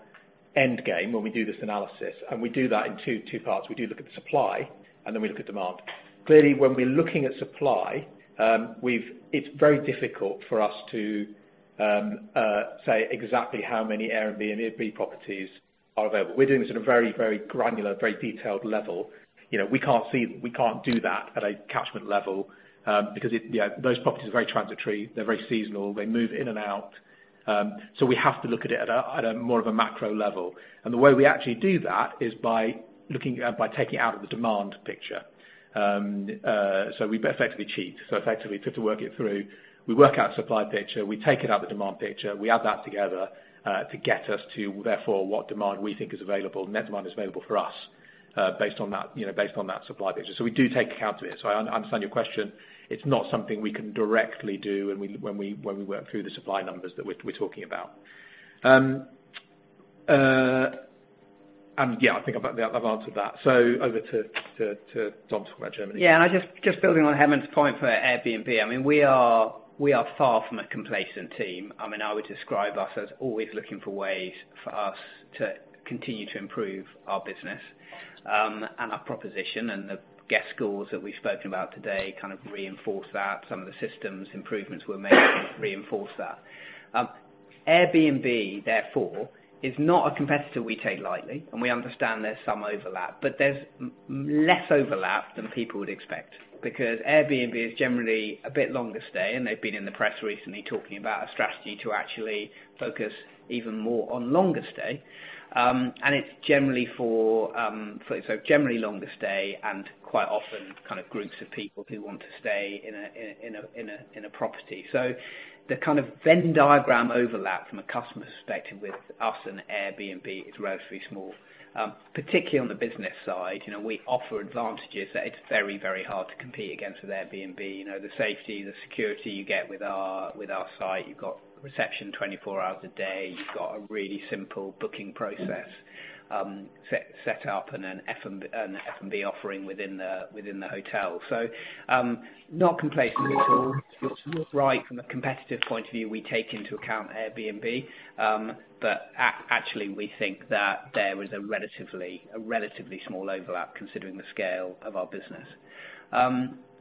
end game when we do this analysis, and we do that in two parts. We do look at the supply, and then we look at demand. Clearly, when we're looking at supply, it's very difficult for us to say exactly how many AirB&B and AirB&B properties are available. We're doing this at a very, very granular, very detailed level. You know, we can't see. We can't do that at a catchment level, because it, you know, those properties are very transitory, they're very seasonal, they move in and out. So we have to look at it at a more of a macro level. And the way we actually do that is by looking at, by taking it out of the demand picture. So we effectively cheat. So effectively, just to work it through, we work out supply picture, we take it out the demand picture, we add that together, to get us to therefore what demand we think is available, net demand is available for us, based on that, you know, based on that supply picture. So we do take account it. So I understand your question. It's not something we can directly do when we work through the supply numbers that we're talking about. And yeah, I think I've answered that. So over to Dom to talk about Germany. Yeah, and I just building on Hemant's point for AirB&B, I mean, we are far from a complacent team. I mean, I would describe us as always looking for ways for us to continue to improve our business, and our proposition, and the guest goals that we've spoken about today kind of reinforce that. Some of the systems improvements we're making reinforce that. AirB&B, therefore, is not a competitor we take lightly, and we understand there's some overlap, but there's less overlap than people would expect because AirB&B is generally a bit longer stay, and they've been in the press recently talking about a strategy to actually focus even more on longer stay. And it's generally for longer stay and quite often kind of groups of people who want to stay in a property. So the kind of Venn diagram overlap from a customer perspective with us and AirB&B is relatively small. Particularly on the business side, you know, we offer advantages that it's very, very hard to compete against with AirB&B. You know, the safety, the security you get with our site. You've got reception 24 hours a day. You've got a really simple booking process, set up and an F&B offering within the hotel. So, not complacent at all. Right, from a competitive point of view, we take into account AirB&B, but actually, we think that there is a relatively small overlap considering the scale of our business.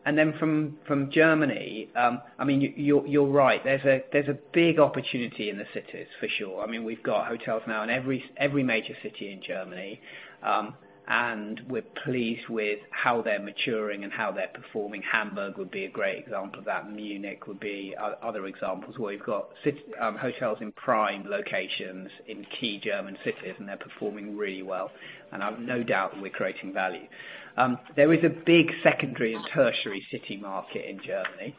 And then from Germany, I mean, you're right. There's a big opportunity in the cities, for sure. I mean, we've got hotels now in every major city in Germany, and we're pleased with how they're maturing and how they're performing. Hamburg would be a great example of that. Munich would be other examples, where we've got hotels in prime locations in key German cities, and they're performing really well, and I've no doubt that we're creating value. There is a big secondary and tertiary city market in Germany.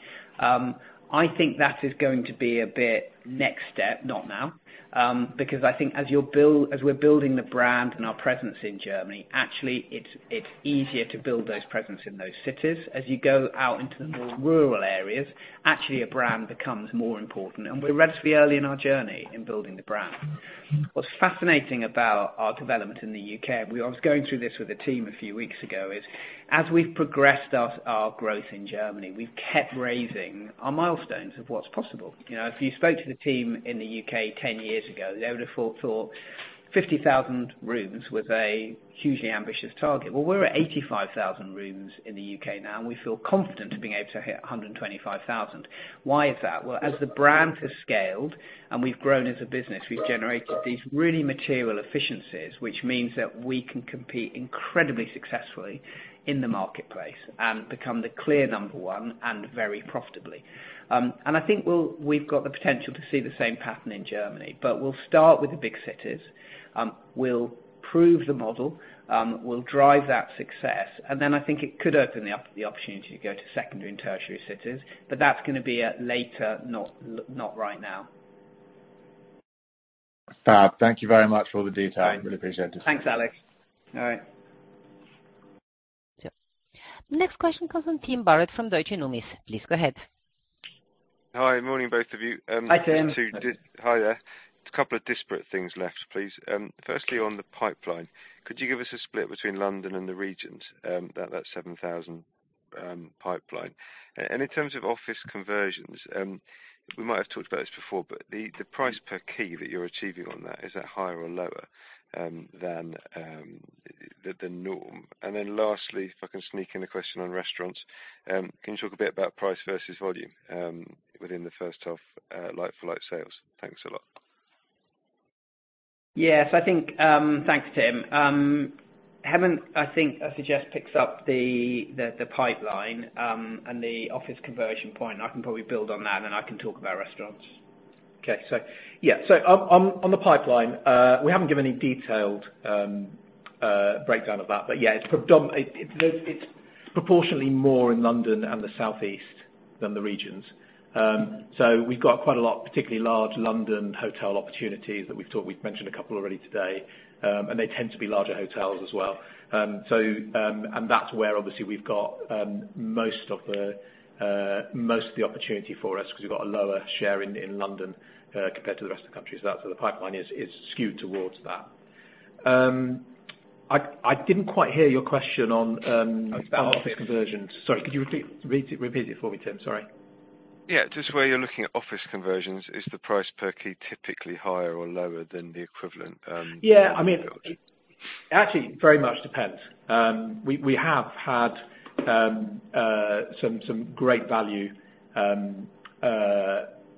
I think that is going to be a bit next step, not now, because I think as we're building the brand and our presence in Germany, actually, it's easier to build those presence in those cities. As you go out into the more rural areas, actually, a brand becomes more important, and we're relatively early in our journey in building the brand. What's fascinating about our development in the U.K., we I was going through this with a team a few weeks ago, is as we've progressed our growth in Germany, we've kept raising our milestones of what's possible. You know, if you spoke to the team in the U.K. 10 years ago, they would have thought 50,000 rooms was a hugely ambitious target. Well, we're at 85,000 rooms in the U.K. now, and we feel confident to being able to hit 125,000. Why is that? Well, as the brand has scaled and we've grown as a business, we've generated these really material efficiencies, which means that we can compete incredibly successfully in the marketplace and become the clear number one and very profitably. And I think we'll, we've got the potential to see the same pattern in Germany, but we'll start with the big cities. We'll prove the model, we'll drive that success, and then I think it could open up the opportunity to go to secondary and tertiary cities, but that's gonna be later, not right now. Fab, thank you very much for all the detail. I really appreciate this. Thanks, Alex. All right. Next question comes from Tim Barrett from Deutsche Numis. Please go ahead. Hi, morning, both of you. Hi, Tim. Hi there. Just a couple of disparate things left, please. Firstly, on the pipeline, could you give us a split between London and the regions, about that 7,000 pipeline? And in terms of office conversions, we might have talked about this before, but the price per key that you're achieving on that, is that higher or lower than the norm? And then lastly, if I can sneak in a question on restaurants, can you talk a bit about price versus volume within the first half, like-for-like sales? Thanks a lot. Yes, I think. Thanks, Tim. Hemant, I think, I suggest, picks up the pipeline and the office conversion point. I can probably build on that, and then I can talk about restaurants. Okay, so yeah, so on the pipeline, we haven't given any detailed breakdown of that. But yeah, it's proportionally more in London and the Southeast than the regions. So we've got quite a lot, particularly large London hotel opportunities that we've talked We've mentioned a couple already today, and they tend to be larger hotels as well. So, and that's where obviously we've got most of the opportunity for us, 'cause we've got a lower share in London compared to the rest of the country. So that's where the pipeline is skewed towards that. I didn't quite hear your question on office conversions. Sorry, could you repeat it for me, Tim? Sorry. Yeah, just where you're looking at office conversions, is the price per key typically higher or lower than the equivalent? Yeah, I mean, actually, it very much depends. We have had some great value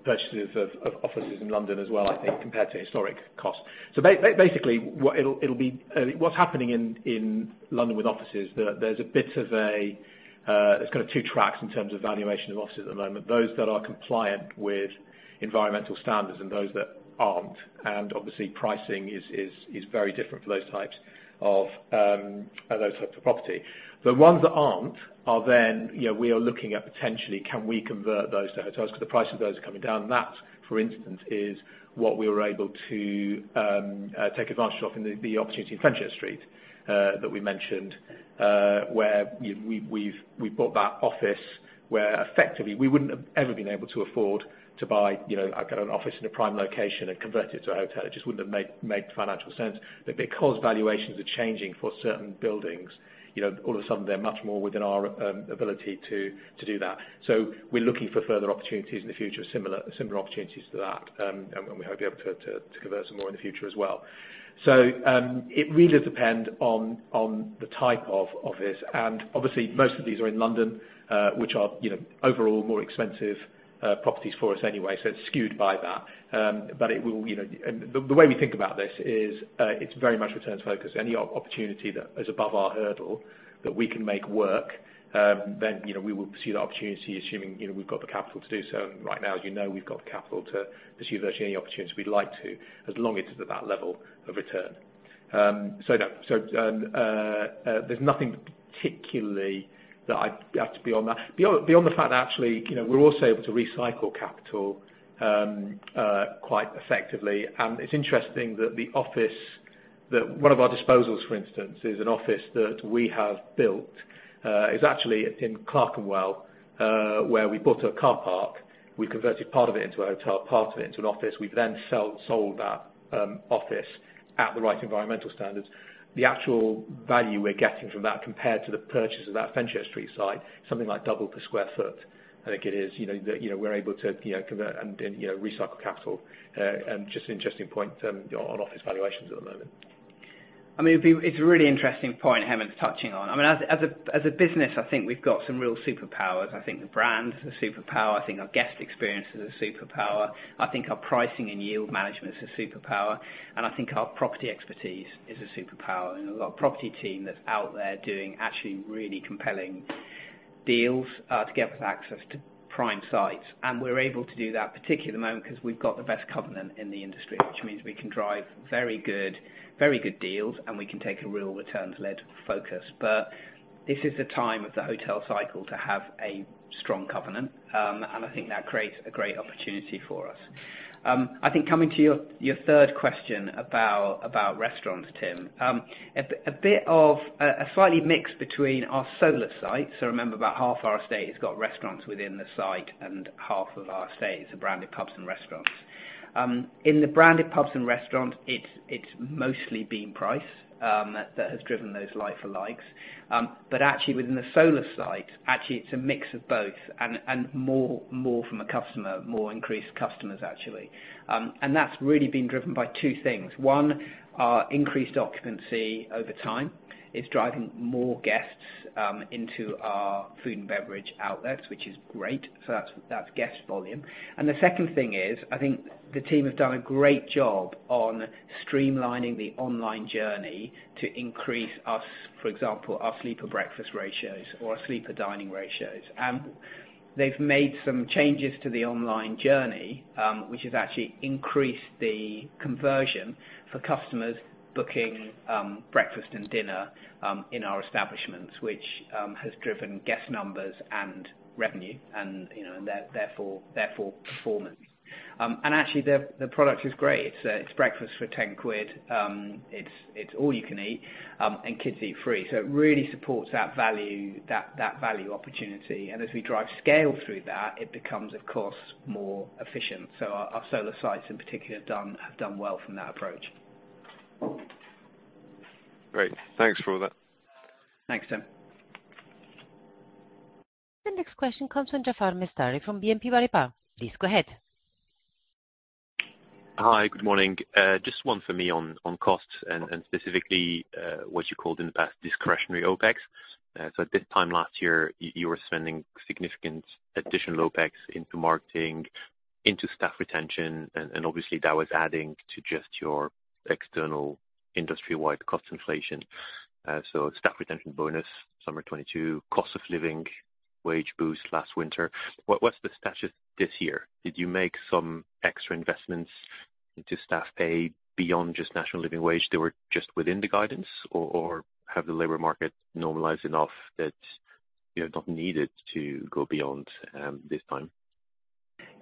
purchases of offices in London as well, I think, compared to historic costs. So basically, what it'll be, what's happening in London with offices, there's a bit of a, there's kind of two tracks in terms of valuation of offices at the moment. Those that are compliant with environmental standards and those that aren't. And obviously, pricing is very different for those types of those types of property. The ones that aren't are then, you know, we are looking at potentially, can we convert those to hotels? 'Cause the price of those are coming down. That, for instance, is what we were able to take advantage of in the opportunity in Fenchurch Street that we mentioned, where we've bought that office, where effectively, we wouldn't have ever been able to afford to buy, you know, like an office in a prime location and convert it to a hotel. It just wouldn't have made financial sense. But because valuations are changing for certain buildings, you know, all of a sudden, they're much more within our ability to do that. So we're looking for further opportunities in the future, similar opportunities to that, and we hope to be able to convert some more in the future as well. So, it really depends on the type of office, and obviously, most of these are in London, which are, you know, overall, more expensive properties for us anyway, so it's skewed by that. But it will, you know. The way we think about this is, it's very much returns-focused. Any opportunity that is above our hurdle, that we can make work, then, you know, we will pursue that opportunity, assuming, you know, we've got the capital to do so. And right now, as you know, we've got the capital to pursue virtually any opportunity we'd like to, as long as it's at that level of return. So yeah, there's nothing particularly that's beyond that. Beyond the fact that actually, you know, we're also able to recycle capital quite effectively. It's interesting that the office that One of our disposals, for instance, is an office that we have built, is actually in Clerkenwell, where we bought a car park. We converted part of it into a hotel, part of it into an office. We've then sold that office at the right environmental standards. The actual value we're getting from that, compared to the purchase of that Fenchurch Street site, something like double per sq ft, I think it is. You know, that, you know, we're able to, you know, convert and, and, you know, recycle capital. Just an interesting point on office valuations at the moment. I mean, it's a really interesting point Hemant's touching on. I mean, as a business, I think we've got some real superpowers. I think the brand is a superpower, I think our guest experience is a superpower, I think our pricing and yield management is a superpower, and I think our property expertise is a superpower. And we've got a property team that's out there doing actually really compelling deals, together with access to prime sites. And we're able to do that, particularly at the moment, 'cause we've got the best covenant in the industry, which means we can drive very good, very good deals, and we can take a real returns-led focus. But this is the time of the hotel cycle to have a strong covenant, and I think that creates a great opportunity for us. I think coming to your third question about restaurants, Tim. A bit of a slightly mixed between our solus sites, so remember, about half our estate has got restaurants within the site, and half of our estate is the branded pubs and restaurants. In the branded pubs and restaurants, it's mostly been price that has driven those like-for-likes. But actually, within the solus site, actually, it's a mix of both, and more from the customer, more increased customers, actually. And that's really been driven by two things. One, our increased occupancy over time is driving more guests into our food and beverage outlets, which is great. So that's guest volume. And the second thing is, I think the team has done a great job on streamlining the online journey to increase us, for example, our sleeper-breakfast ratios or our sleeper-dining ratios. And they've made some changes to the online journey, which has actually increased the conversion for customers booking breakfast and dinner in our establishments, which has driven guest numbers and revenue and, you know, and therefore, therefore, performance. And actually, the product is great. It's breakfast for 10 quid. It's all you can eat, and kids eat free. So it really supports that value, that value opportunity. And as we drive scale through that, it becomes, of course, more efficient. So our solus sites in particular have done, have done well from that approach. Great. Thanks for all that. Thanks, Tim. The next question comes from Jaafar Mestari from BNP Paribas. Please go ahead. Hi, good morning. Just one for me on costs and specifically what you called in the past, discretionary OpEx. So at this time last year, you were spending significant additional OpEx into marketing, into staff retention, and obviously that was adding to just your external industry-wide cost inflation. So staff retention bonus summer 2022, cost of living wage boost last winter. What's the status this year? Did you make some extra investments into staff pay beyond just National Living Wage? They were just within the guidance or have the labor market normalized enough that you have not needed to go beyond this time?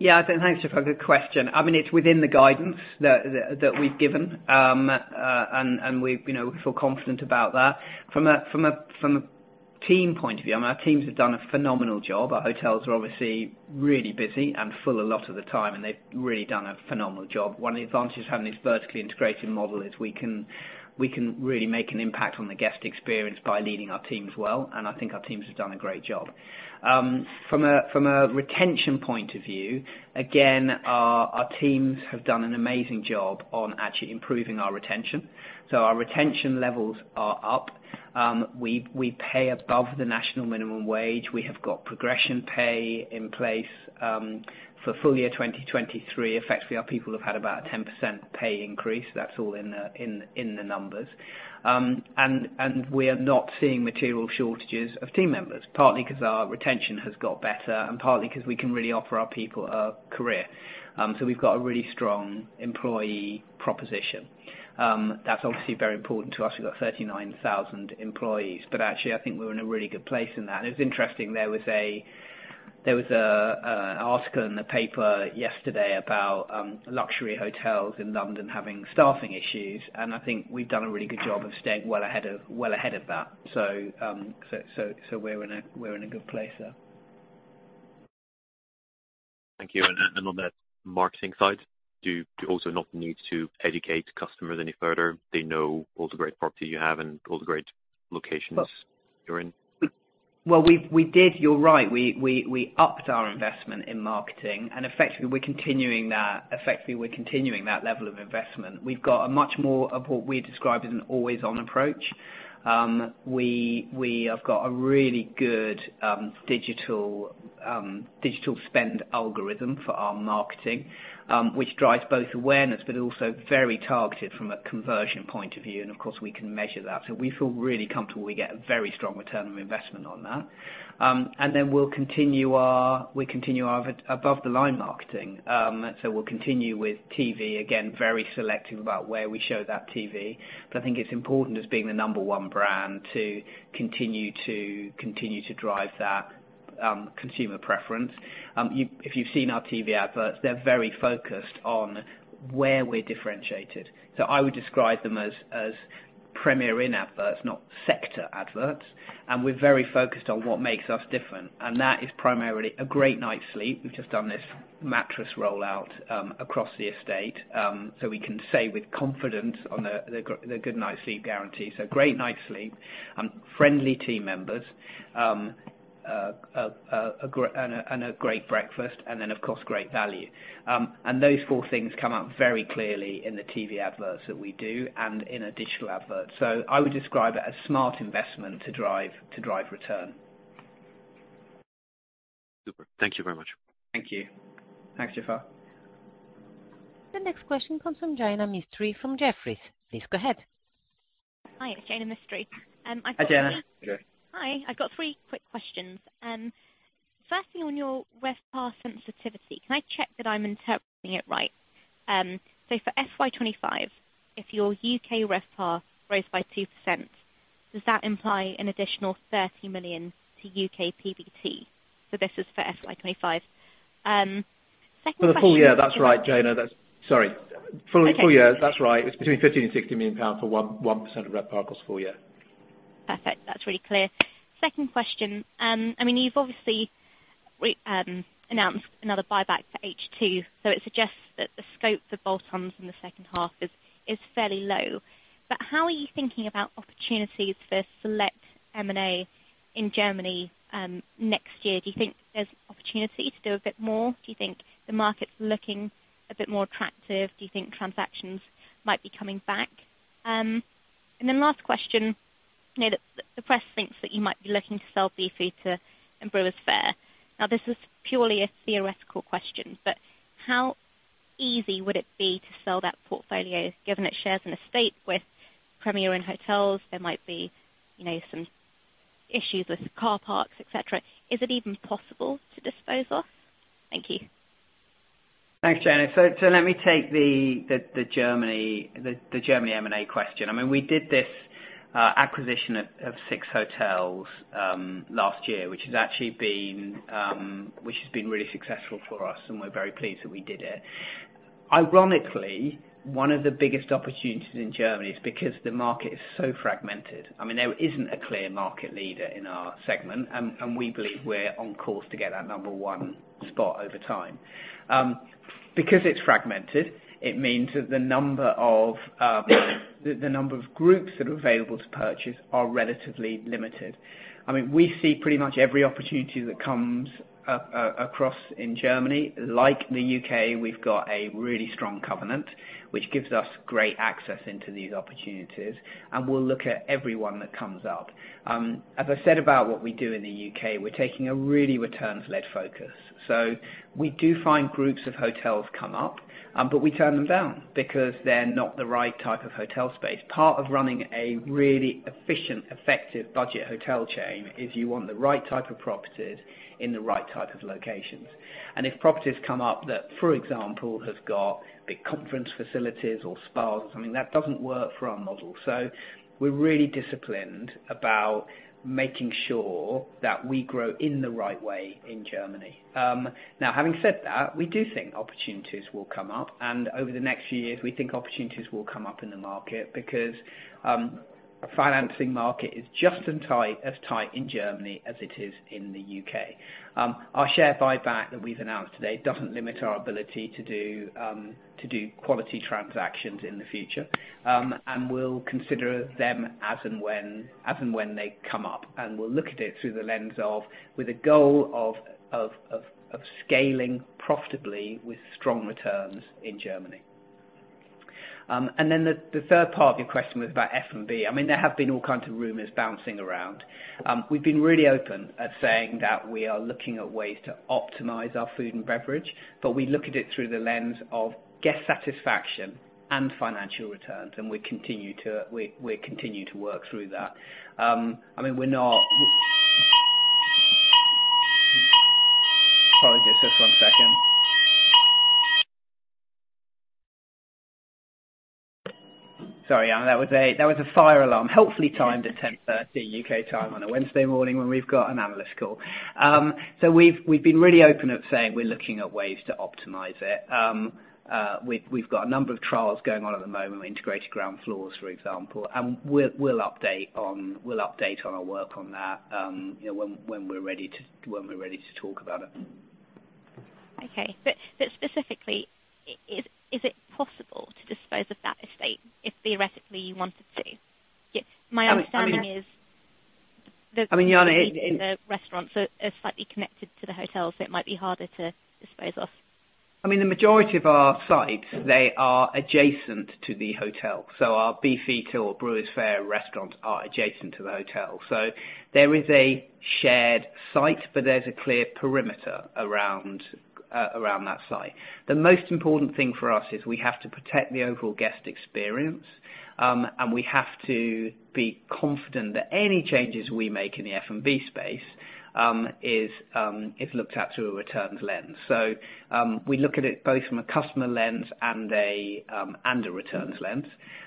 Yeah, thanks, Jaafar, good question. I mean, it's within the guidance that we've given. And we've, you know, feel confident about that. From a team point of view, I mean, our teams have done a phenomenal job. Our hotels are obviously really busy and full a lot of the time, and they've really done a phenomenal job. One of the advantages of having this vertically integrated model is we can really make an impact on the guest experience by leading our teams well, and I think our teams have done a great job. From a retention point of view, again, our teams have done an amazing job on actually improving our retention. So our retention levels are up. We pay above the national minimum wage. We have got progression pay in place for full year 2023. Effectively, our people have had about a 10% pay increase. That's all in the numbers. And we're not seeing material shortages of team members, partly 'cause our retention has got better and partly 'cause we can really offer our people a career. So we've got a really strong employee proposition. That's obviously very important to us. We've got 39,000 employees, but actually, I think we're in a really good place in that. It was interesting, there was an article in the paper yesterday about luxury hotels in London having staffing issues, and I think we've done a really good job of staying well ahead of that. So we're in a good place there. Thank you. And on that marketing side, do you also not need to educate customers any further? They know all the great property you have and all the great locations you're in. Well, we did, you're right. We upped our investment in marketing, and effectively, we're continuing that. Effectively, we're continuing that level of investment. We've got a much more of what we describe as an always-on approach. We have got a really good digital spend algorithm for our marketing, which drives both awareness, but also very targeted from a conversion point of view. And of course, we can measure that. So we feel really comfortable we get a very strong return on investment on that. And then we'll continue our above the line marketing. So we'll continue with TV. Again, very selective about where we show that TV, but I think it's important, as being the number one brand, to continue to drive that consumer preference. If you've seen our TV adverts, they're very focused on where we're differentiated. So I would describe them as, as Premier Inn adverts, not sector adverts, and we're very focused on what makes us different, and that is primarily a great night's sleep. We've just done this mattress rollout, across the estate, so we can say with confidence on the, the Good Night's Sleep Guarantee. So a great night's sleep, friendly team members, and a great breakfast, and then, of course, great value. And those four things come out very clearly in the TV adverts that we do and in our digital adverts. So I would describe it as smart investment to drive, to drive return. Super. Thank you very much. Thank you. Thanks, Jaffar. The next question comes from Jaina Mistry from Jefferies. Please go ahead. Hi, Jaina Mistry. I've got- Hi, Jaina. Hi, I've got three quick questions. Firstly, on your RevPAR sensitivity, can I check that I'm interpreting it right? So for FY 25, if your U.K. RevPAR grows by 2%, does that imply an additional 30 million to U.K. PBT? This is for FY 25. Second question- For the full year, that's right, Jaina. Sorry. Okay. For full year, that's right. It's between 50 million pounds and 60 million pounds for 1.1% of RevPAR across full year. Perfect. That's really clear. Second question, I mean, you've obviously announced another buyback for H2, so it suggests that the scope for bolt-ons in the second half is fairly low. But how are you thinking about opportunities for select M&A in Germany next year? Do you think there's opportunity to do a bit more? Do you think the market's looking a bit more attractive? Do you think transactions might be coming back? And then last question, you know, the press thinks that you might be looking to sell Beefeater to Brewers Fayre. Now, this is purely a theoretical question, but how easy would it be to sell that portfolio, given it shares an estate with Premier Inn hotels? There might be, you know, some issues with car parks, et cetera. Is it even possible to dispose of? Thank you. Thanks, Jaina. So let me take the Germany M&A question. I mean, we did this acquisition of six hotels last year, which has actually been really successful for us, and we're very pleased that we did it. Ironically, one of the biggest opportunities in Germany is because the market is so fragmented. I mean, there isn't a clear market leader in our segment, and we believe we're on course to get that number one spot over time. Because it's fragmented, it means that the number of groups that are available to purchase are relatively limited. I mean, we see pretty much every opportunity that comes across in Germany. Like the U.K., we've got a really strong covenant, which gives us great access into these opportunities, and we'll look at every one that comes up. As I said about what we do in the U.K., we're taking a really returns-led focus. So we do find groups of hotels come up, but we turn them down because they're not the right type of hotel space. Part of running a really efficient, effective budget hotel chain is you want the right type of properties in the right type of locations. And if properties come up that, for example, has got big conference facilities or spas, I mean, that doesn't work for our model. So we're really disciplined about making sure that we grow in the right way in Germany. Now, having said that, we do think opportunities will come up, and over the next few years, we think opportunities will come up in the market because financing market is just as tight in Germany as it is in the U.K. Our share buyback that we've announced today doesn't limit our ability to do quality transactions in the future. And we'll consider them as and when they come up. And we'll look at it through the lens of With a goal of scaling profitably with strong returns in Germany. And then the third part of your question was about F&B. I mean, there have been all kinds of rumors bouncing around. We've been really open at saying that we are looking at ways to optimize our food and beverage, but we look at it through the lens of guest satisfaction and financial returns, and we continue to work through that. I mean, we're not— Apologies, just one second. Sorry, that was a fire alarm, helpfully timed at 10:30 A.M. U.K. time on a Wednesday morning when we've got an analyst call. So we've been really open at saying we're looking at ways to optimize it. We've got a number of trials going on at the moment, integrated ground floors, for example, and we'll update on our work on that, you know, when we're ready to talk about it. Okay. But specifically, is it possible to dispose of that estate if theoretically you wanted to? Yeah, my understanding is- I mean, The restaurants are slightly connected to the hotel, so it might be harder to dispose of. I mean, the majority of our sites, they are adjacent to the hotel, so our Beefeater or Brewers Fayre restaurants are adjacent to the hotel. So there is a shared site, but there's a clear perimeter around around that site. The most important thing for us is we have to protect the overall guest experience, and we have to be confident that any changes we make in the F&B space is looked at through a returns lens. So we look at it both from a customer lens and a and a returns lens.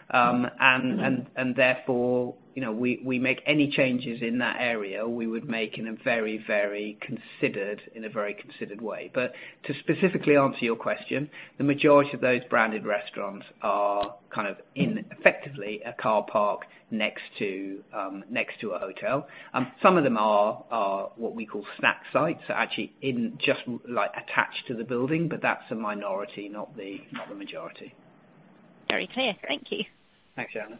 And therefore, you know, we make any changes in that area, we would make in a very, very considered, in a very considered way. To specifically answer your question, the majority of those branded restaurants are kind of in effectively a car park next to a hotel. Some of them are what we call snack sites, so actually in just like attached to the building, but that's a minority, not the majority. Very clear. Thank you. Thanks, Jaina.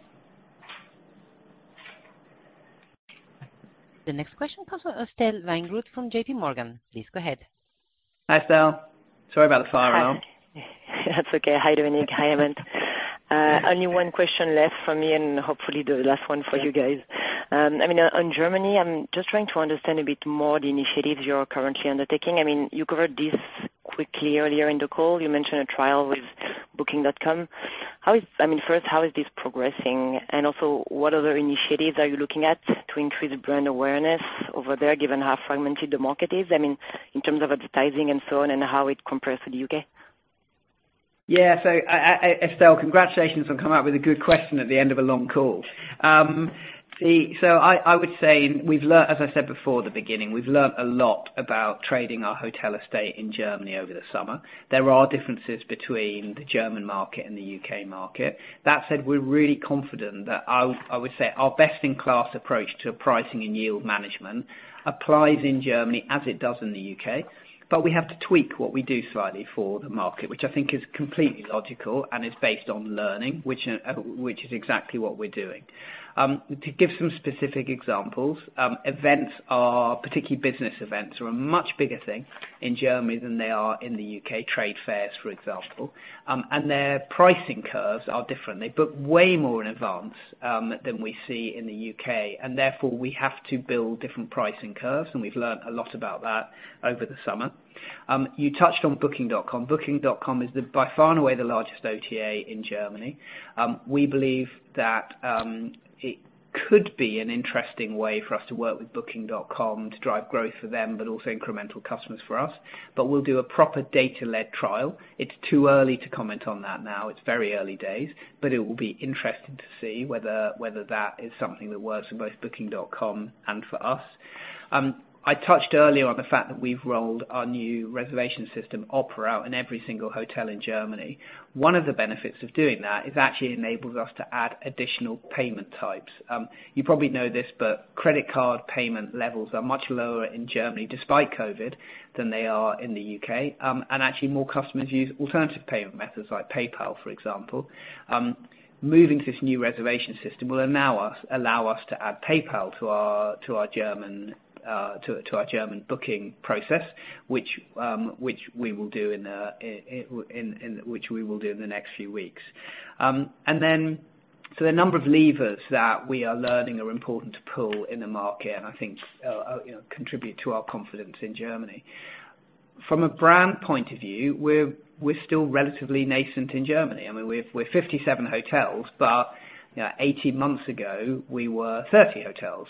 The next question comes from Estelle Weingrod from J.P. Morgan. Please go ahead. Hi, Estelle. Sorry about the fire alarm. That's okay. Hi, Dominic, hi, everyone. Only one question left from me, and hopefully the last one for you guys. I mean, on Germany, I'm just trying to understand a bit more the initiatives you're currently undertaking. I mean, you covered this quickly earlier in the call. You mentioned a trial with Booking.com. How is I mean, first, how is this progressing? And also, what other initiatives are you looking at to increase brand awareness over there, given how fragmented the market is, I mean, in terms of advertising and so on, and how it compares to the U.K.? Yeah. So Estelle, congratulations on coming up with a good question at the end of a long call. So I would say we've learned, as I said before at the beginning, we've learned a lot about trading our hotel estate in Germany over the summer. There are differences between the German market and the U.K. market. That said, we're really confident that our, I would say, our best-in-class approach to pricing and yield management applies in Germany as it does in the U.K., but we have to tweak what we do slightly for the market, which I think is completely logical and is based on learning, which is exactly what we're doing. To give some specific examples, events are, particularly business events, are a much bigger thing in Germany than they are in the U.K., trade fairs, for example. And their pricing curves are different. They book way more in advance than we see in the U.K., and therefore, we have to build different pricing curves, and we've learned a lot about that over the summer. You touched on Booking.com. Booking.com is the, by far and away, the largest OTA in Germany. We believe that could be an interesting way for us to work with Booking.com to drive growth for them, but also incremental customers for us. But we'll do a proper data-led trial. It's too early to comment on that now. It's very early days, but it will be interesting to see whether that is something that works for both Booking.com and for us. I touched earlier on the fact that we've rolled our new reservation system OPERA out in every single hotel in Germany. One of the benefits of doing that is it actually enables us to add additional payment types. You probably know this, but credit card payment levels are much lower in Germany, despite COVID, than they are in the U.K. And actually, more customers use alternative payment methods like PayPal, for example. Moving to this new reservation system will allow us to add PayPal to our German booking process, which we will do in the next few weeks. And then, so the number of levers that we are learning are important to pull in the market, and I think, you know, contribute to our confidence in Germany. From a brand point of view, we're still relatively nascent in Germany. I mean, we're 57 hotels, but, you know, 18 months ago, we were 30 hotels.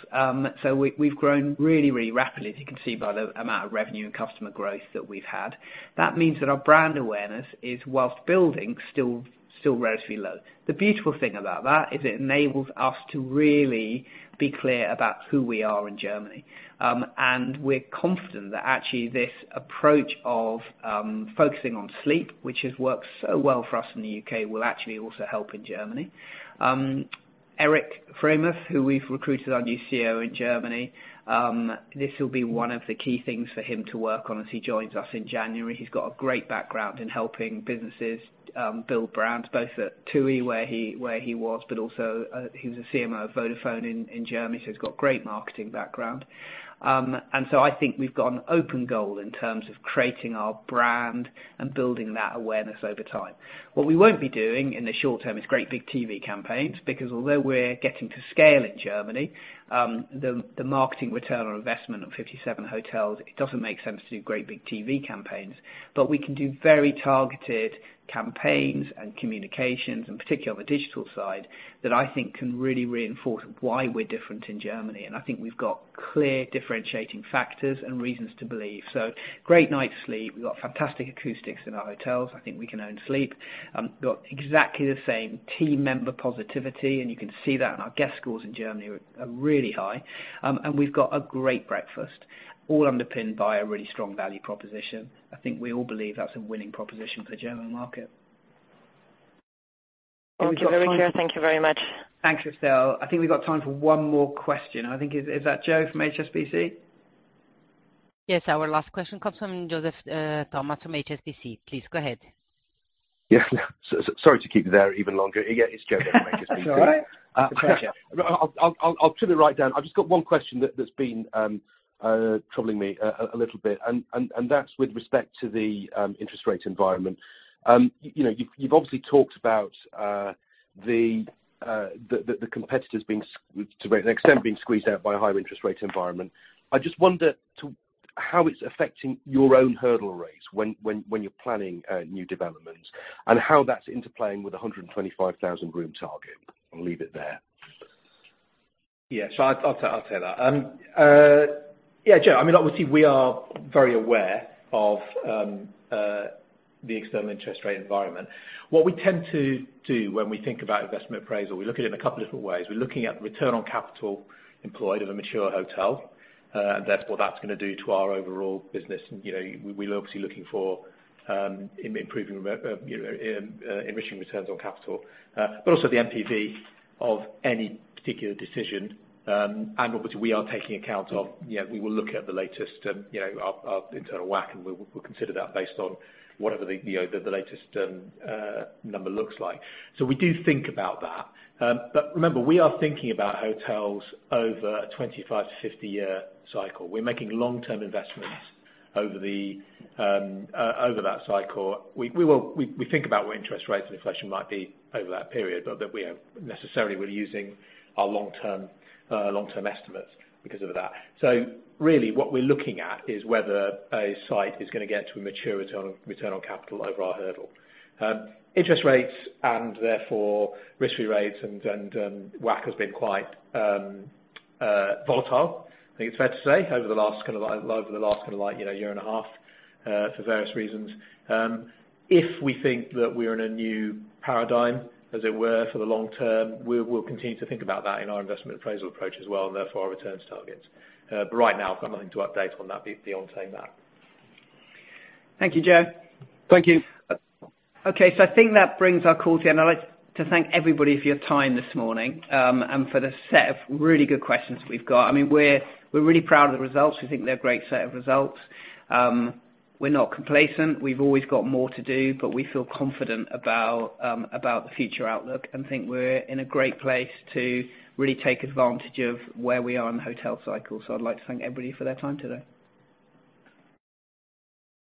So we, we've grown really, really rapidly, as you can see, by the amount of revenue and customer growth that we've had. That means that our brand awareness is, whilst building, still, still relatively low. The beautiful thing about that, is it enables us to really be clear about who we are in Germany. And we're confident that actually this approach of, focusing on sleep, which has worked so well for us in the U.K., will actually also help in Germany. Erik Friemuth, who we've recruited our new CEO in Germany, this will be one of the key things for him to work on as he joins us in January. He's got a great background in helping businesses, build brands, both at TUI, where he was, but also, he was a CMO of Vodafone in Germany, so he's got great marketing background. And so I think we've got an open goal in terms of creating our brand and building that awareness over time. What we won't be doing in the short term is great big TV campaigns, because although we're getting to scale in Germany, the marketing return on investment of 57 hotels, it doesn't make sense to do great big TV campaigns. But we can do very targeted campaigns and communications, and particularly on the digital side, that I think can really reinforce why we're different in Germany. And I think we've got clear differentiating factors and reasons to believe. So great night's sleep. We've got fantastic acoustics in our hotels. I think we can own sleep. Got exactly the same team member positivity, and you can see that in our guest scores in Germany are really high. And we've got a great breakfast, all underpinned by a really strong value proposition. I think we all believe that's a winning proposition for the German market. Thank you, very clear. Thank you very much. Thanks, Estelle. I think we've got time for one more question. I think, is that Joe from HSBC? Yes, our last question comes from Joseph Thomas, from HSBC. Please go ahead. Yeah, sorry to keep you there even longer. Yeah, it's Joe from HSBC. That's all right. I'll trim it right down. I've just got one question that's been troubling me a little bit, and that's with respect to the interest rate environment. You know, you've obviously talked about the competitors being, to an extent, being squeezed out by a higher interest rate environment. I just wonder how it's affecting your own hurdle rates when you're planning new developments, and how that's interplaying with the 125,000 room target? I'll leave it there. Yeah. So I, I'll tell you that. Yeah, Joe, I mean, obviously, we are very aware of the external interest rate environment. What we tend to do when we think about investment appraisal, we look at it in a couple different ways. We're looking at the return on capital employed of a mature hotel, and therefore what that's gonna do to our overall business. You know, we're obviously looking for, improving, you know, enriching returns on capital, but also the NPV of any particular decision. And obviously, we are taking account of, you know, we will look at the latest, you know, our, our internal WACC, and we'll, we'll consider that based on whatever the, you know, the, the latest, number looks like. So we do think about that. But remember, we are thinking about hotels over a 25- to 50-year cycle. We're making long-term investments over that cycle. We think about what interest rates and inflation might be over that period, but that we are necessarily using our long-term estimates because of that. So really, what we're looking at is whether a site is gonna get to a mature return on capital over our hurdle. Interest rates and therefore risk-free rates and WACC has been quite volatile. I think it's fair to say, over the last, kind of, like, over the last, kind of like, you know, year and a half, for various reasons. If we think that we're in a new paradigm, as it were, for the long term, we'll continue to think about that in our investment appraisal approach as well, and therefore our returns targets. But right now, I've got nothing to update on that beyond saying that. Thank you, Joe. Thank you. Okay, so I think that brings our call to end. I'd like to thank everybody for your time this morning, and for the set of really good questions we've got. I mean, we're, we're really proud of the results. We think they're a great set of results. We're not complacent. We've always got more to do, but we feel confident about, about the future outlook, and think we're in a great place to really take advantage of where we are in the hotel cycle. So I'd like to thank everybody for their time today.